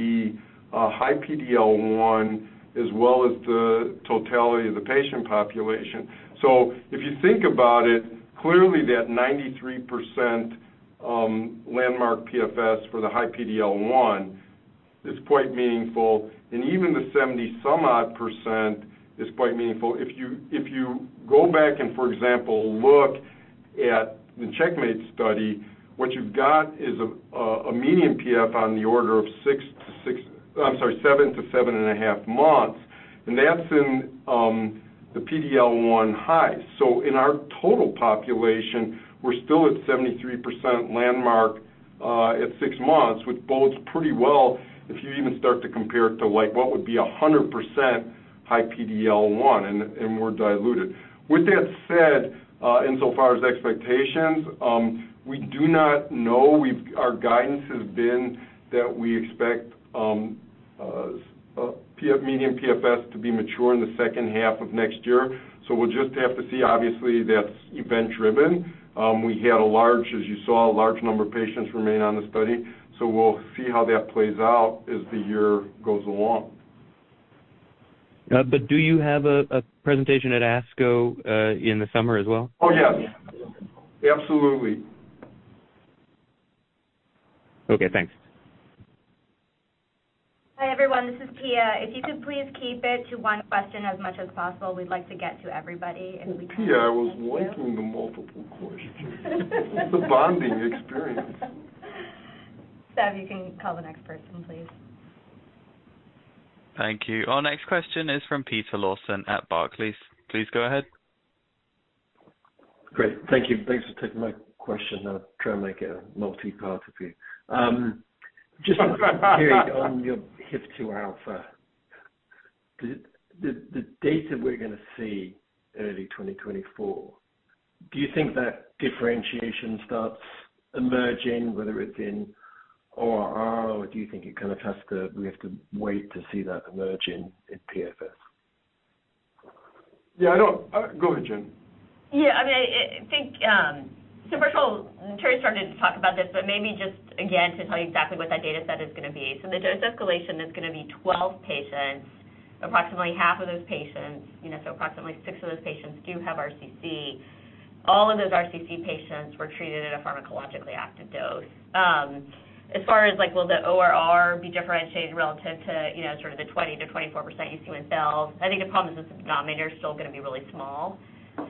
the high PD-L1 as well as the totality of the patient population. So if you think about it, clearly that 93% landmark PFS for the high PD-L1 is quite meaningful, and even the 70-some odd % is quite meaningful. If you go back and, for example, look at the CheckMate study, what you've got is a median PFS on the order of. I'm sorry, 7-7.5 months, and that's in the PD-L1 high. So in our total population, we're still at 73% landmark at 6 months, which bodes pretty well if you even start to compare it to like what would be 100% high PD-L1 and, and more diluted. With that said, insofar as expectations, we do not know. Our guidance has been that we expect median PFS to be mature in the second half of next year, so we'll just have to see. Obviously, that's event-driven. We had a large, as you saw, a large number of patients remain on the study, so we'll see how that plays out as the year goes along. But do you have a presentation at ASCO in the summer as well? Oh, yes. Absolutely. Okay, thanks. Hi, everyone. This is Pia. If you could please keep it to one question as much as possible, we'd like to get to everybody, and we. Pia, I was liking the multiple questions. It's a bonding experience. If you can call the next person, please. Thank you. Our next question is from Peter Lawson at Barclays. Please go ahead. Great. Thank you. Thanks for taking my question. I'll try and make it a multipart if we. Just on your HIF-2α, the data we're gonna see early 2024, do you think that differentiation starts emerging, whether it's in ORR, or do you think it kind of has to, we have to wait to see that emerging in PFS? Yeah, I don't. Go ahead, Jen. Yeah, I mean, I think, so first of all, Terry started to talk about this, but maybe just again, to tell you exactly what that data set is gonna be. So the dose escalation is gonna be 12 patients, approximately half of those patients, you know, so approximately six of those patients do have RCC. All of those RCC patients were treated at a pharmacologically active dose. As far as, like, will the ORR be differentiated relative to, you know, sort of the 20%-24% you see with cells? I think the problem is this denominator is still gonna be really small.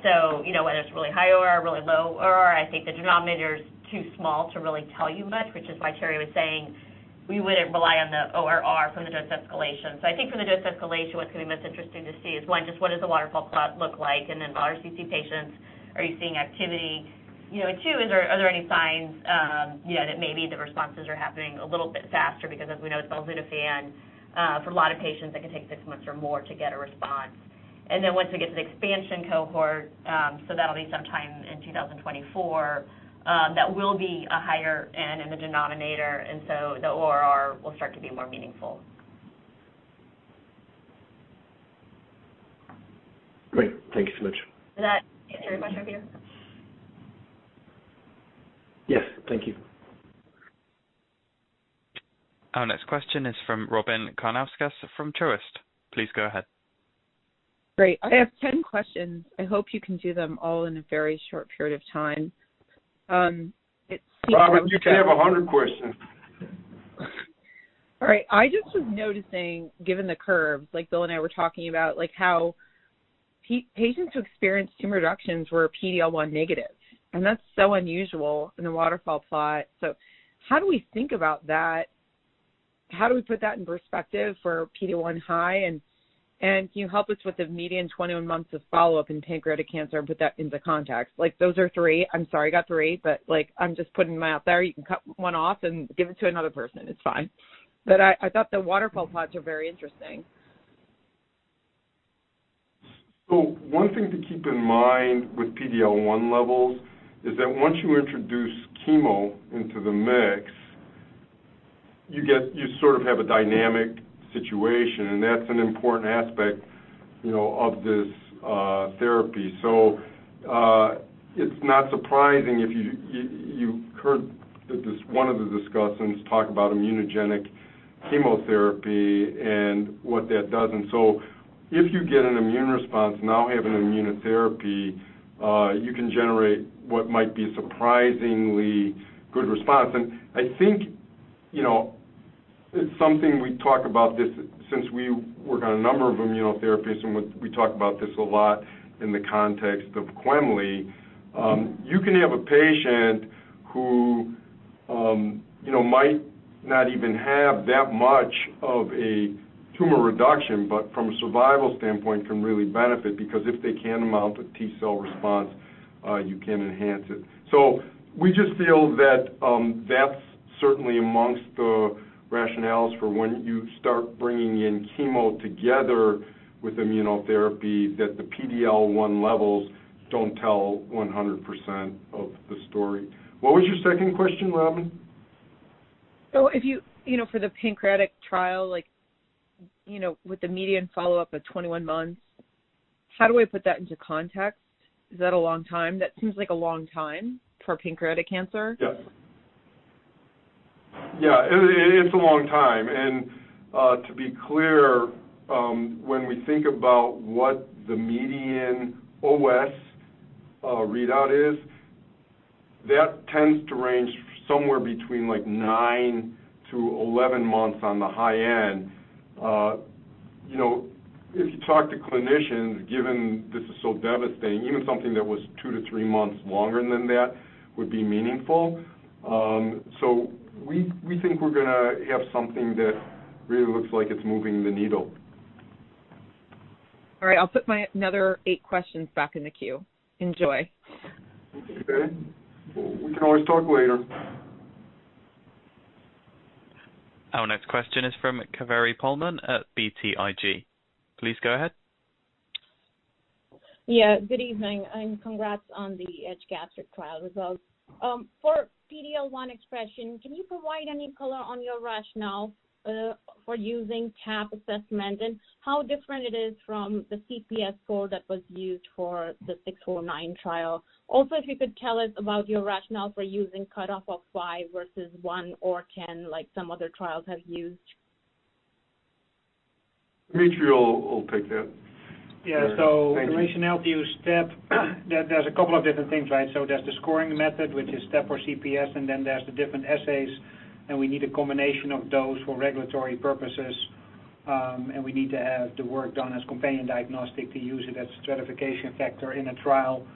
So you know, whether it's really high ORR, really low ORR, I think the denominator is too small to really tell you much, which is why Terry was saying we wouldn't rely on the ORR from the dose escalation. So I think from the dose escalation, what's gonna be most interesting to see is, one, just what does the waterfall plot look like? And then for RCC patients, are you seeing activity? You know, and two, is there, are there any signs, you know, that maybe the responses are happening a little bit faster? Because as we know, with belzutifan, for a lot of patients, it can take six months or more to get a response. And then once we get to the expansion cohort, so that'll be sometime in 2024, that will be a higher end in the denominator, and so the ORR will start to be more meaningful. Great. Thank you so much. Did that answer your question, Peter? Yes. Thank you. Our next question is from Robyn Karnauskas from Truist. Please go ahead. Great. I have 10 questions. I hope you can do them all in a very short period of time. It seems- Robin, you can have 100 questions. All right. I just was noticing, given the curves, like Bill and I were talking about, like, how patients who experienced tumor reductions were PD-L1 negative, and that's so unusual in the waterfall plot. So how do we think about that? How do we put that in perspective for PD-L1 high? And can you help us with the median 21 months of follow-up in pancreatic cancer and put that into context? Like, those are three. I'm sorry I got three, but, like, I'm just putting them out there. You can cut one off and give it to another person. It's fine. But I thought the waterfall plots are very interesting. So one thing to keep in mind with PD-L1 levels is that once you introduce chemo into the mix, you get. You sort of have a dynamic situation, and that's an important aspect, you know, of this therapy. So, it's not surprising if you heard this, one of the discussants talk about immunogenic chemotherapy and what that does. And so if you get an immune response now having immunotherapy, you can generate what might be a surprisingly good response. And I think, you know, it's something we talk about this since we work on a number of immunotherapies, and we talk about this a lot in the context of quemliclustat. You can have a patient who, you know, might not even have that much of a tumor reduction, but from a survival standpoint, can really benefit because if they can mount a T cell response, you can enhance it. So we just feel that, that's certainly amongst the rationales for when you start bringing in chemo together with immunotherapy, that the PD-L1 levels don't tell 100% of the story. What was your second question, Robyn? So if you, you know, for the pancreatic trial, like, you know, with the median follow-up of 21 months, how do I put that into context? Is that a long time? That seems like a long time for pancreatic cancer. Yes. Yeah, it's a long time. And, to be clear, when we think about what the median OS readout is, that tends to range somewhere between, like, nine to 11 months on the high end. You know, if you talk to clinicians, given this is so devastating, even something that was two to three months longer than that would be meaningful. So we think we're gonna have something that really looks like it's moving the needle. All right, I'll put another eight questions back in the queue. Enjoy. Okay. We can always talk later. Our next question is from Kaveri Pohlman at BTIG. Please go ahead. Yeah, good evening, and congrats on the EDGE-Gastric trial results. For PD-L1 expression, can you provide any color on your rationale for using TAP assessment and how different it is from the CPS score that was used for the 609 trial? Also, if you could tell us about your rationale for using cutoff of 5 versus one or 10, like some other trials have used? Dimitry will take that. Yeah, so the RATIONALE to use TAP, there's a couple of different things, right? So there's the scoring method, which is TAP or CPS, and then there's the different assays, and we need a combination of those for regulatory purposes, and we need to have the work done as companion diagnostic to use it as a stratification factor in a trial.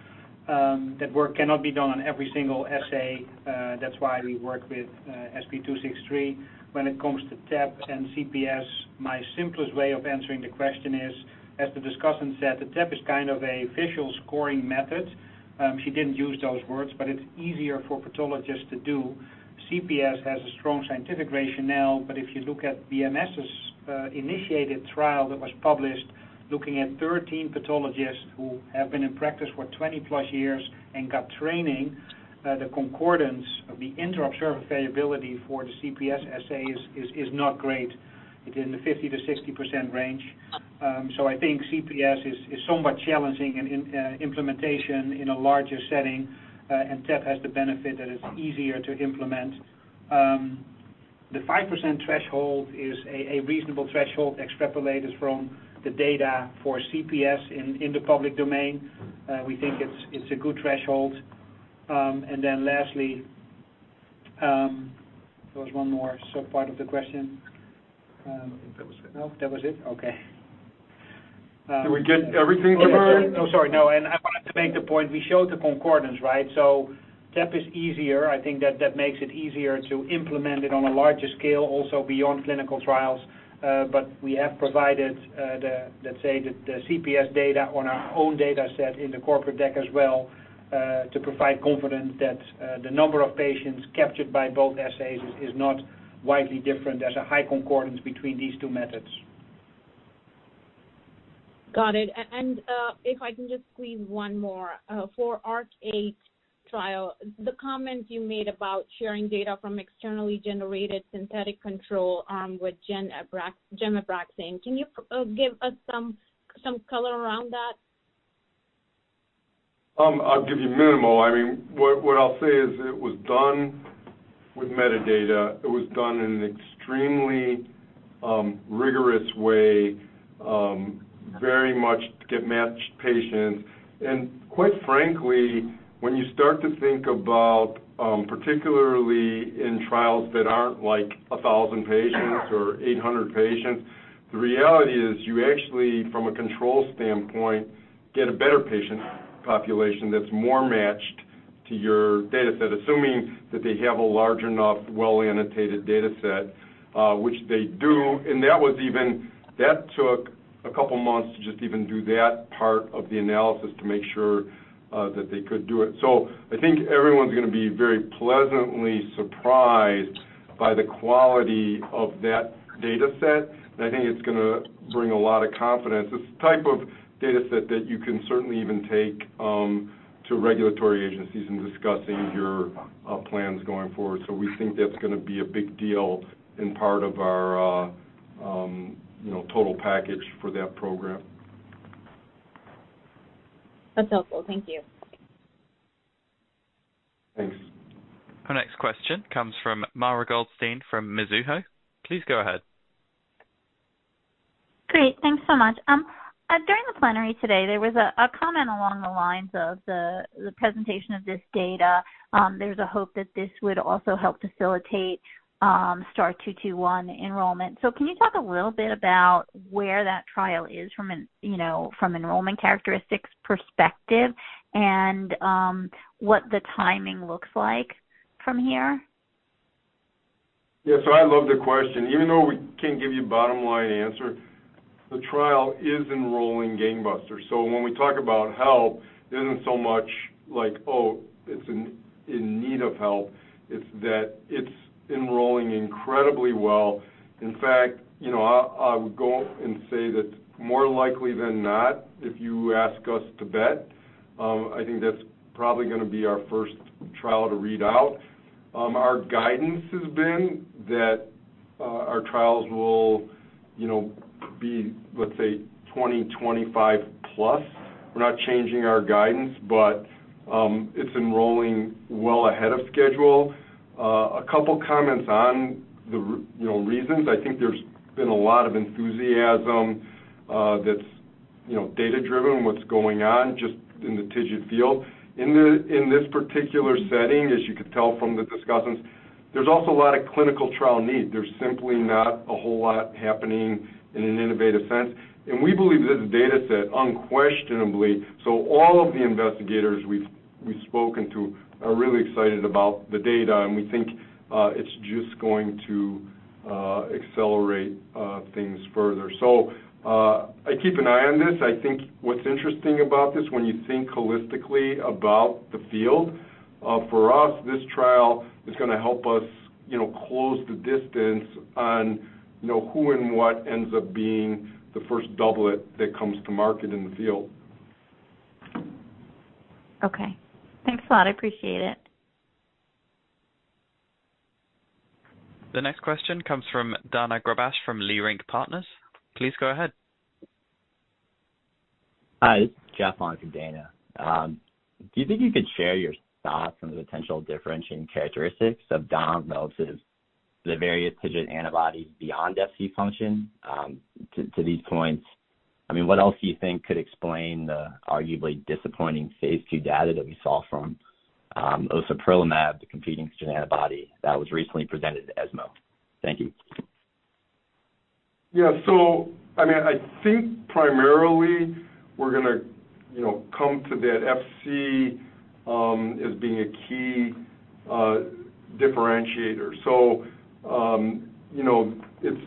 That work cannot be done on every single assay, that's why we work with SP263. When it comes to TAP and CPS, my simplest way of answering the question is, as the discussant said, the TAP is kind of a visual scoring method. She didn't use those words, but it's easier for pathologists to do. CPS has a strong scientific rationale, but if you look at BMS's initiated trial that was published looking at 13 pathologists who have been in practice for 20+ years and got training, the concordance of the interobserver variability for the CPS assay is not great. It's in the 50-60% range. So I think CPS is somewhat challenging in implementation in a larger setting, and TAP has the benefit that it's easier to implement. The 5% threshold is a reasonable threshold extrapolated from the data for CPS in the public domain. We think it's a good threshold. And then lastly, there was one more subpart of the question. I think that was it. No, that was it? Okay. Did we get everything there? Oh, sorry, no, and I wanted to make the point, we showed the concordance, right? So TAP is easier. I think that that makes it easier to implement it on a larger scale, also beyond clinical trials. But we have provided, let's say, the CPS data on our own data set in the corporate deck as well, to provide confidence that the number of patients captured by both assays is not widely different. There's a high concordance between these two methods. Got it. And if I can just squeeze one more. For ARC-8 trial, the comment you made about sharing data from externally generated synthetic control with gemcitabine, can you give us some color around that? I'll give you minimal. I mean, what I'll say is it was done with metadata. It was done in an extremely rigorous way, very much to get matched patients. And quite frankly, when you start to think about, particularly in trials that aren't like 1,000 patients or 800 patients, the reality is you actually, from a control standpoint, get a better patient population that's more matched to your data set, assuming that they have a large enough well-annotated data set, which they do. And that was even. That took a couple months to just even do that part of the analysis to make sure that they could do it. So I think everyone's gonna be very pleasantly surprised by the quality of that data set, and I think it's gonna bring a lot of confidence. It's the type of data set that you can certainly even take to regulatory agencies in discussing your plans going forward. So we think that's gonna be a big deal and part of our, you know, total package for that program. That's helpful. Thank you. Thanks. Our next question comes from Mara Goldstein from Mizuho. Please go ahead. Great. Thanks so much. During the plenary today, there was a comment along the lines of the presentation of this data. There's a hope that this would also help facilitate STAR-221 enrollment. So can you talk a little bit about where that trial is from an enrollment characteristics perspective, you know, and what the timing looks like from here? Yeah. So I love the question. Even though we can't give you a bottom-line answer, the trial is enrolling gangbusters. So when we talk about help, it isn't so much like, oh, it's in need of help, it's that it's enrolling incredibly well. In fact, you know, I would go and say that more likely than not, if you ask us to bet, I think that's probably gonna be our first trial to read out. Our guidance has been that our trials will, you know, be, let's say, 2025+. We're not changing our guidance, but it's enrolling well ahead of schedule. A couple comments on the reasons. I think there's been a lot of enthusiasm that's, you know, data-driven, what's going on just in the TIGIT field. In this particular setting, as you could tell from the discussants, there's also a lot of clinical trial need. There's simply not a whole lot happening in an innovative sense, and we believe that the data set unquestionably. So all of the investigators we've spoken to are really excited about the data, and we think it's just going to accelerate things further. So I'd keep an eye on this. I think what's interesting about this, when you think holistically about the field, for us, this trial is gonna help us, you know, close the distance on, you know, who and what ends up being the first doublet that comes to market in the field. Okay. Thanks a lot. I appreciate it. The next question comes from Daina Graybosch from Leerink Partners. Please go ahead. Hi, it's Jeff on from Daina. Do you think you could share your thoughts on the potential differentiating characteristics of dom relative to the various TIGIT antibodies beyond Fc function? To these points, I mean, what else do you think could explain the arguably disappointing phaseII data that we saw from ociperlimab, the competing TIGIT antibody that was recently presented at ESMO? Thank you. Yeah. So I mean, I think primarily we're gonna, you know, come to that Fc as being a key differentiator. So, you know, it's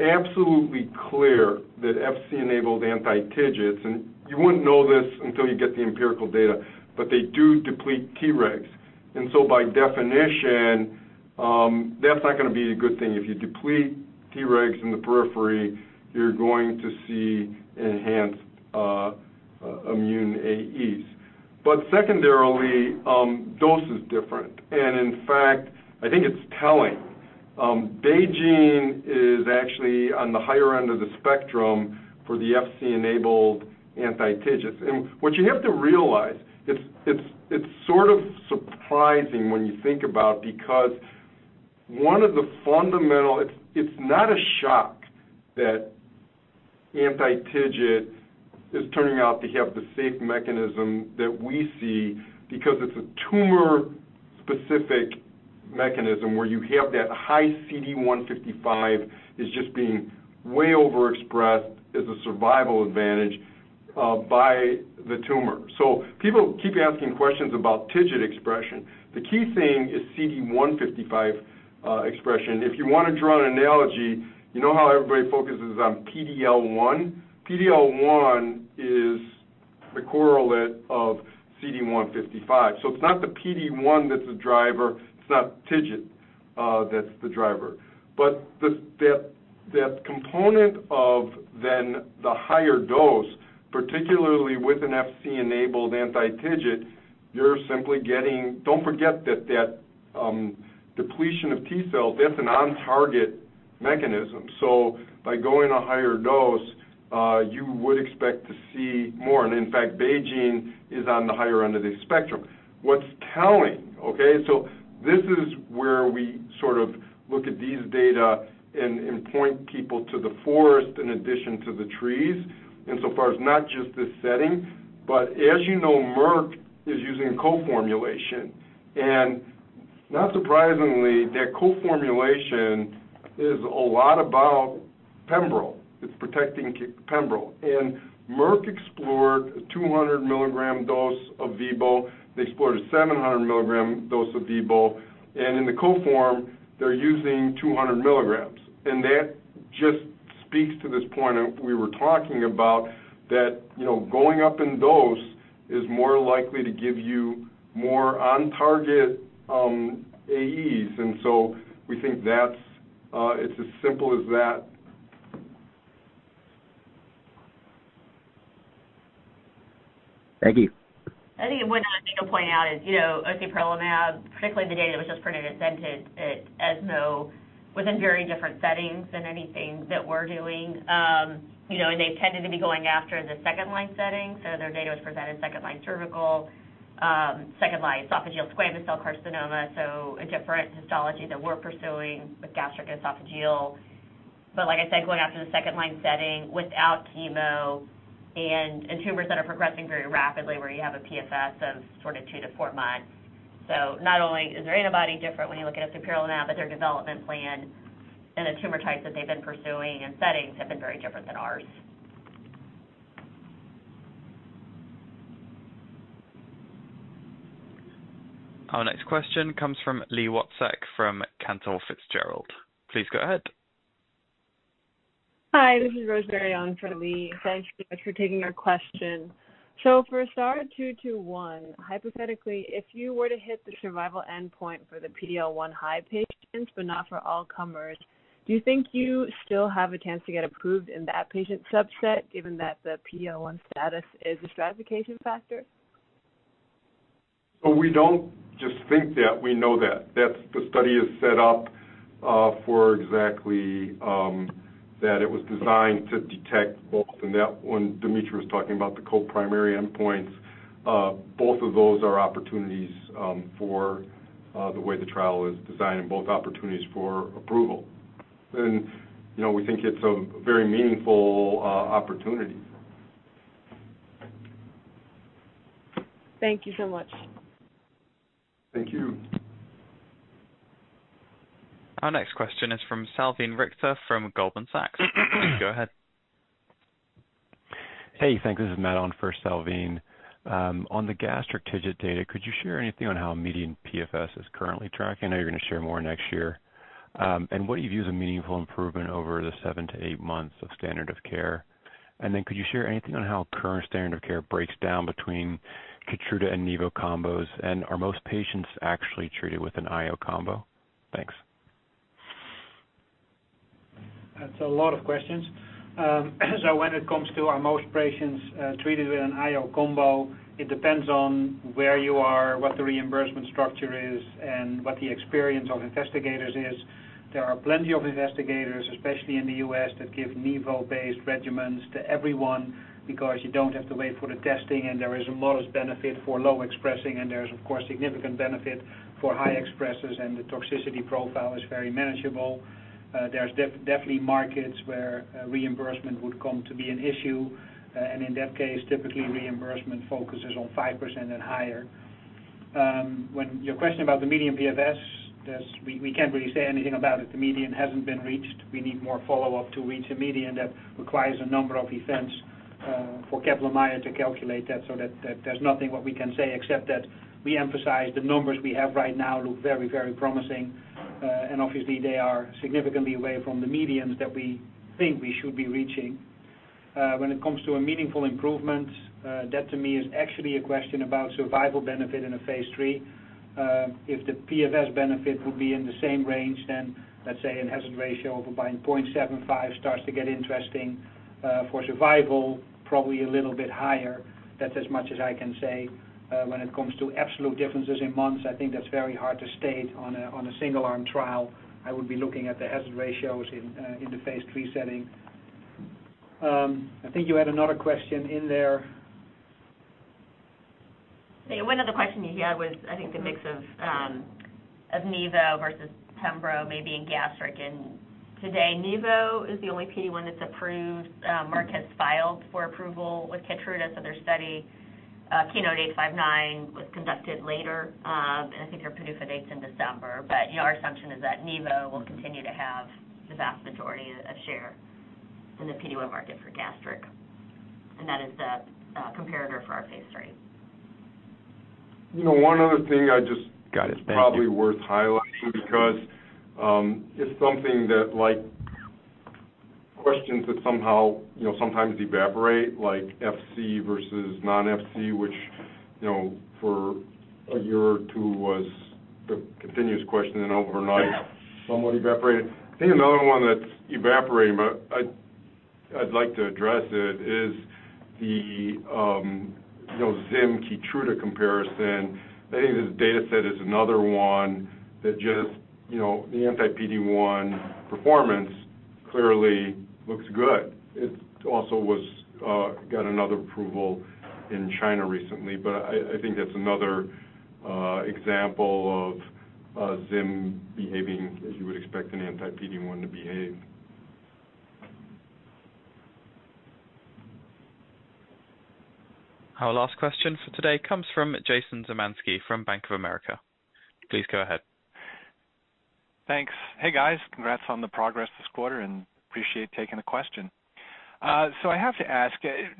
absolutely clear that Fc-enabled anti-TIGIT, and you wouldn't know this until you get the empirical data, but they do deplete T-regs. And so by definition, that's not gonna be a good thing. If you deplete T-regs in the periphery, you're going to see enhanced immune AEs. But secondarily, dose is different, and in fact, I think it's telling. BeiGene is actually on the higher end of the spectrum for the Fc-enabled anti-TIGIT. And what you have to realize, it's sort of surprising when you think about, because one of the fundamental. It's not a shock that anti-TIGIT is turning out to have the safe mechanism that we see, because it's a tumor-specific mechanism where you have that high CD155 is just being way overexpressed as a survival advantage by the tumor. So people keep asking questions about TIGIT expression. The key thing is CD155 expression. If you wanna draw an analogy, you know how everybody focuses on PD-L1? PD-L1 is the correlate of CD155. So it's not the PD-1 that's a driver, it's not TIGIT that's the driver. But that component of then the higher dose, particularly with an Fc-enabled anti-TIGIT, you're simply getting. Don't forget that depletion of T cells, that's an on-target mechanism. So by going a higher dose, you would expect to see more. In fact, BeiGene is on the higher end of the spectrum. What's telling, okay, so this is where we sort of look at these data and, and point people to the forest in addition to the trees. And so far, it's not just this setting, but as you know, Merck is using co-formulation. And not surprisingly, that co-formulation is a lot about pembro. It's protecting pembro. And Merck explored a 200 mg dose of vibo. They explored a 700 mg dose of vibo, and in the co-form, they're using 200 mgs. And that just speaks to this point of we were talking about that, you know, going up in dose is more likely to give you more on-target AEs. And so we think that's, it's as simple as that. Thank you. I think what I need to point out is, you know, ociperlimab, particularly the data that was just presented at ESMO, was in very different settings than anything that we're doing. You know, and they tended to be going after the second-line setting, so their data was presented second-line cervical, second-line esophageal squamous cell carcinoma, so a different histology that we're pursuing with gastric esophageal. But like I said, going after the second line setting without chemo and, and tumors that are progressing very rapidly, where you have a PFS of sort of 2-4 months. So not only is their antibody different when you look at ociperlimab, but their development plan and the tumor types that they've been pursuing and settings have been very different than ours. Our next question comes from Li Watsek from Cantor Fitzgerald. Please go ahead. Hi, this is Rosemary on for Li. Thank you guys for taking our question. So for STAR-221, hypothetically, if you were to hit the survival endpoint for the PD-L1 high patients, but not for all comers, do you think you still have a chance to get approved in that patient subset, given that the PD-L1 status is a stratification factor? So we don't just think that, we know that. That's the study is set up for exactly that it was designed to detect both. And that when Dimitry was talking about the co-primary endpoints, both of those are opportunities for the way the trial is designed and both opportunities for approval. And, you know, we think it's a very meaningful opportunity. Thank you so much. Thank you. Our next question is from Salveen Richter from Goldman Sachs. Please go ahead. Hey, thanks. This is Matt on for Salveen. On the gastric TIGIT data, could you share anything on how median PFS is currently tracking? I know you're gonna share more next year. And what do you view as a meaningful improvement over the 7-8 months of standard of care? And then could you share anything on how current standard of care breaks down between Keytruda and nivo combos, and are most patients actually treated with an IO combo? Thanks. That's a lot of questions. So when it comes to are most patients treated with an IO combo, it depends on where you are, what the reimbursement structure is, and what the experience of investigators is. There are plenty of investigators, especially in the U.S., that give nivo-based regimens to everyone because you don't have to wait for the testing, and there is a modest benefit for low expressing, and there's, of course, significant benefit for high expressers, and the toxicity profile is very manageable. There's definitely markets where reimbursement would come to be an issue. And in that case, typically reimbursement focuses on 5% and higher. When your question about the median PFS, we can't really say anything about it. The median hasn't been reached. We need more follow-up to reach a median that requires a number of events for Kaplan-Meier to calculate that, so that there's nothing what we can say except that we emphasize the numbers we have right now look very, very promising. And obviously, they are significantly away from the medians that we think we should be reaching. When it comes to a meaningful improvement, that to me is actually a question about survival benefit in a phase III. If the PFS benefit would be in the same range, then let's say it has a ratio of about 0.75 starts to get interesting for survival, probably a little bit higher. That's as much as I can say. When it comes to absolute differences in months, I think that's very hard to state on a single-arm trial. I would be looking at the hazard ratios in the phase III setting. I think you had another question in there. Yeah. One other question you had was, I think the mix of, of nivo versus pembro, maybe in gastric. And today, nivo is the only PD-1 that's approved. Merck has filed for approval with Keytruda, so their study, KEYNOTE-859, was conducted later. And I think their PDUFA date's in December. But, you know, our assumption is that nivo will continue to have the vast majority of share in the PD-1 market for gastric, and that is the, comparator for our phase III. You know, one other thing I just- Got it. Thank you. Probably worth highlighting because it's something that like questions that somehow, you know, sometimes evaporate, like FC versus non-FC, which, you know, for a year or two was the continuous question, and overnight somewhat evaporated. I think another one that's evaporating, but I'd, I'd like to address it, is the, you know, Zim-Keytruda comparison. I think this data set is another one that just, you know, the anti-PD-1 performance clearly looks good. It also was got another approval in China recently, but I think that's another example of Zim behaving as you would expect an anti-PD-1 to behave. Our last question for today comes from Jason Zemansky from Bank of America. Please go ahead. Thanks. Hey, guys. Congrats on the progress this quarter, and appreciate taking the question. So I have to ask,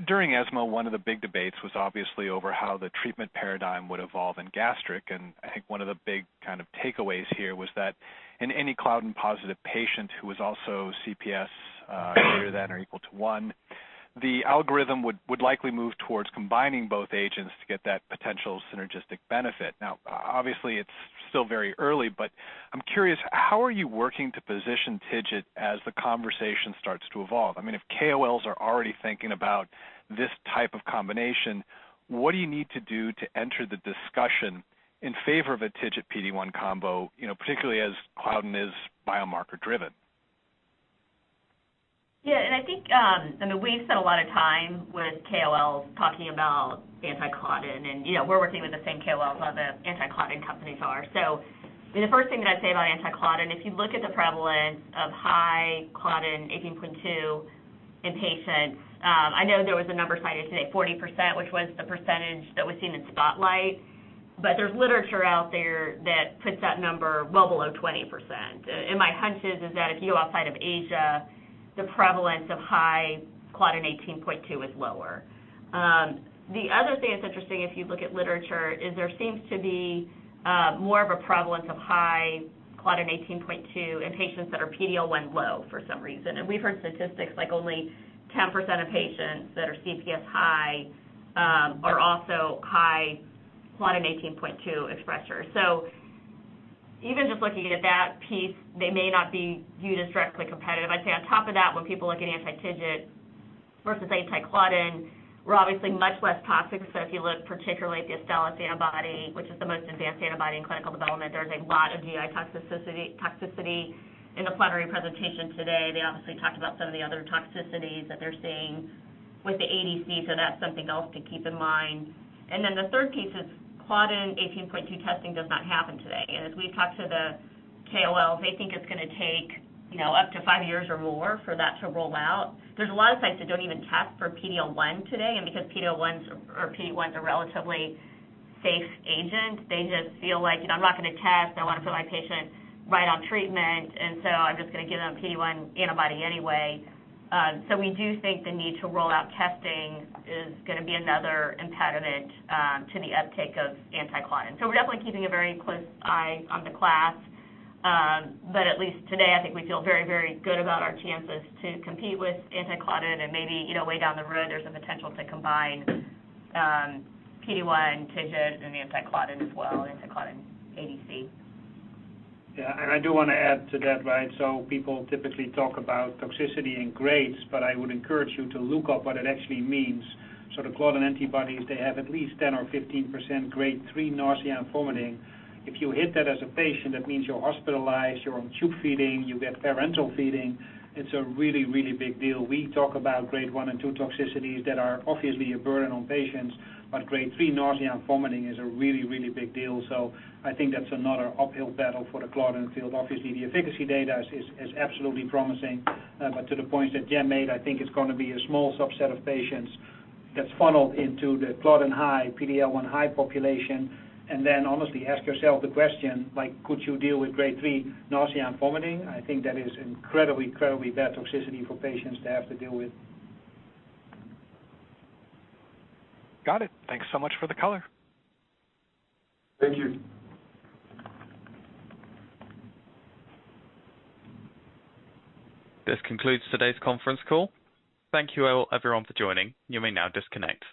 during ESMO, one of the big debates was obviously over how the treatment paradigm would evolve in gastric. And I think one of the big kind of takeaways here was that in any claudin positive patient who was also CPS greater than or equal to one, the algorithm would likely move towards combining both agents to get that potential synergistic benefit. Now, obviously, it's still very early, but I'm curious, how are you working to position TIGIT as the conversation starts to evolve? I mean, if KOLs are already thinking about this type of combination, what do you need to do to enter the discussion in favor of a TIGIT PD-1 combo, you know, particularly as claudin is biomarker driven? Yeah, and I think, I mean, we've spent a lot of time with KOLs talking about anti-claudin, and, you know, we're working with the same KOLs that other anti-claudin companies are. So the first thing that I'd say about anti-claudin, if you look at the prevalence of high claudin 18.2 in patients, I know there was a number cited today, 40%, which was the percentage that was seen in Spotlight, but there's literature out there that puts that number well below 20%. And my hunch is that if you go outside of Asia, the prevalence of high claudin 18.2 is lower. The other thing that's interesting if you look at literature is there seems to be more of a prevalence of high claudin 18.2 in patients that are PD-L1 low for some reason. We've heard statistics like only 10% of patients that are CPS high are also high claudin 18.2 expressers. So even just looking at that piece, they may not be viewed as directly competitive. I'd say on top of that, when people look at anti-TIGIT versus anti-claudin, we're obviously much less toxic. So if you look particularly at the Astellas antibody, which is the most advanced antibody in clinical development, there's a lot of GI toxicity. In the plenary presentation today, they obviously talked about some of the other toxicities that they're seeing with the ADC, so that's something else to keep in mind. And then the third piece is claudin 18.2 testing does not happen today. And as we've talked to the KOLs, they think it's gonna take, you know, up to five years or more for that to roll out. There's a lot of sites that don't even test for PD-L1 today, and because PD-L1s or PD-1s are a relatively safe agent, they just feel like, "I'm not gonna test. I want to put my patient right on treatment, and so I'm just gonna give them PD-1 antibody anyway." So we do think the need to roll out testing is gonna be another impediment to the uptake of anti-claudin. So we're definitely keeping a very close eye on the class. But at least today, I think we feel very, very good about our chances to compete with anti-claudin and maybe, you know, way down the road, there's a potential to combine PD-1, TIGIT, and the anti-claudin as well, anti-claudin ADC. Yeah, and I do want to add to that, right? So people typically talk about toxicity in grades, but I would encourage you to look up what it actually means. So the claudin antibodies, they have at least 10% or 15% Grade 3 nausea and vomiting. If you hit that as a patient, that means you're hospitalized, you're on tube feeding, you get parenteral feeding. It's a really, really big deal. We talk about Grade 1 and 2 toxicities that are obviously a burden on patients, but Grade 3 nausea and vomiting is a really, really big deal. So I think that's another uphill battle for the claudin field. Obviously, the efficacy data is absolutely promising. But to the point that Jen made, I think it's gonna be a small subset of patients that's funneled into the claudin high, PD-L1 high population. And then honestly, ask yourself the question, like, could you deal with Grade 3 nausea and vomiting? I think that is incredibly, incredibly bad toxicity for patients to have to deal with. Got it. Thanks so much for the color. Thank you. This concludes today's conference call. Thank you, all, everyone for joining. You may now disconnect.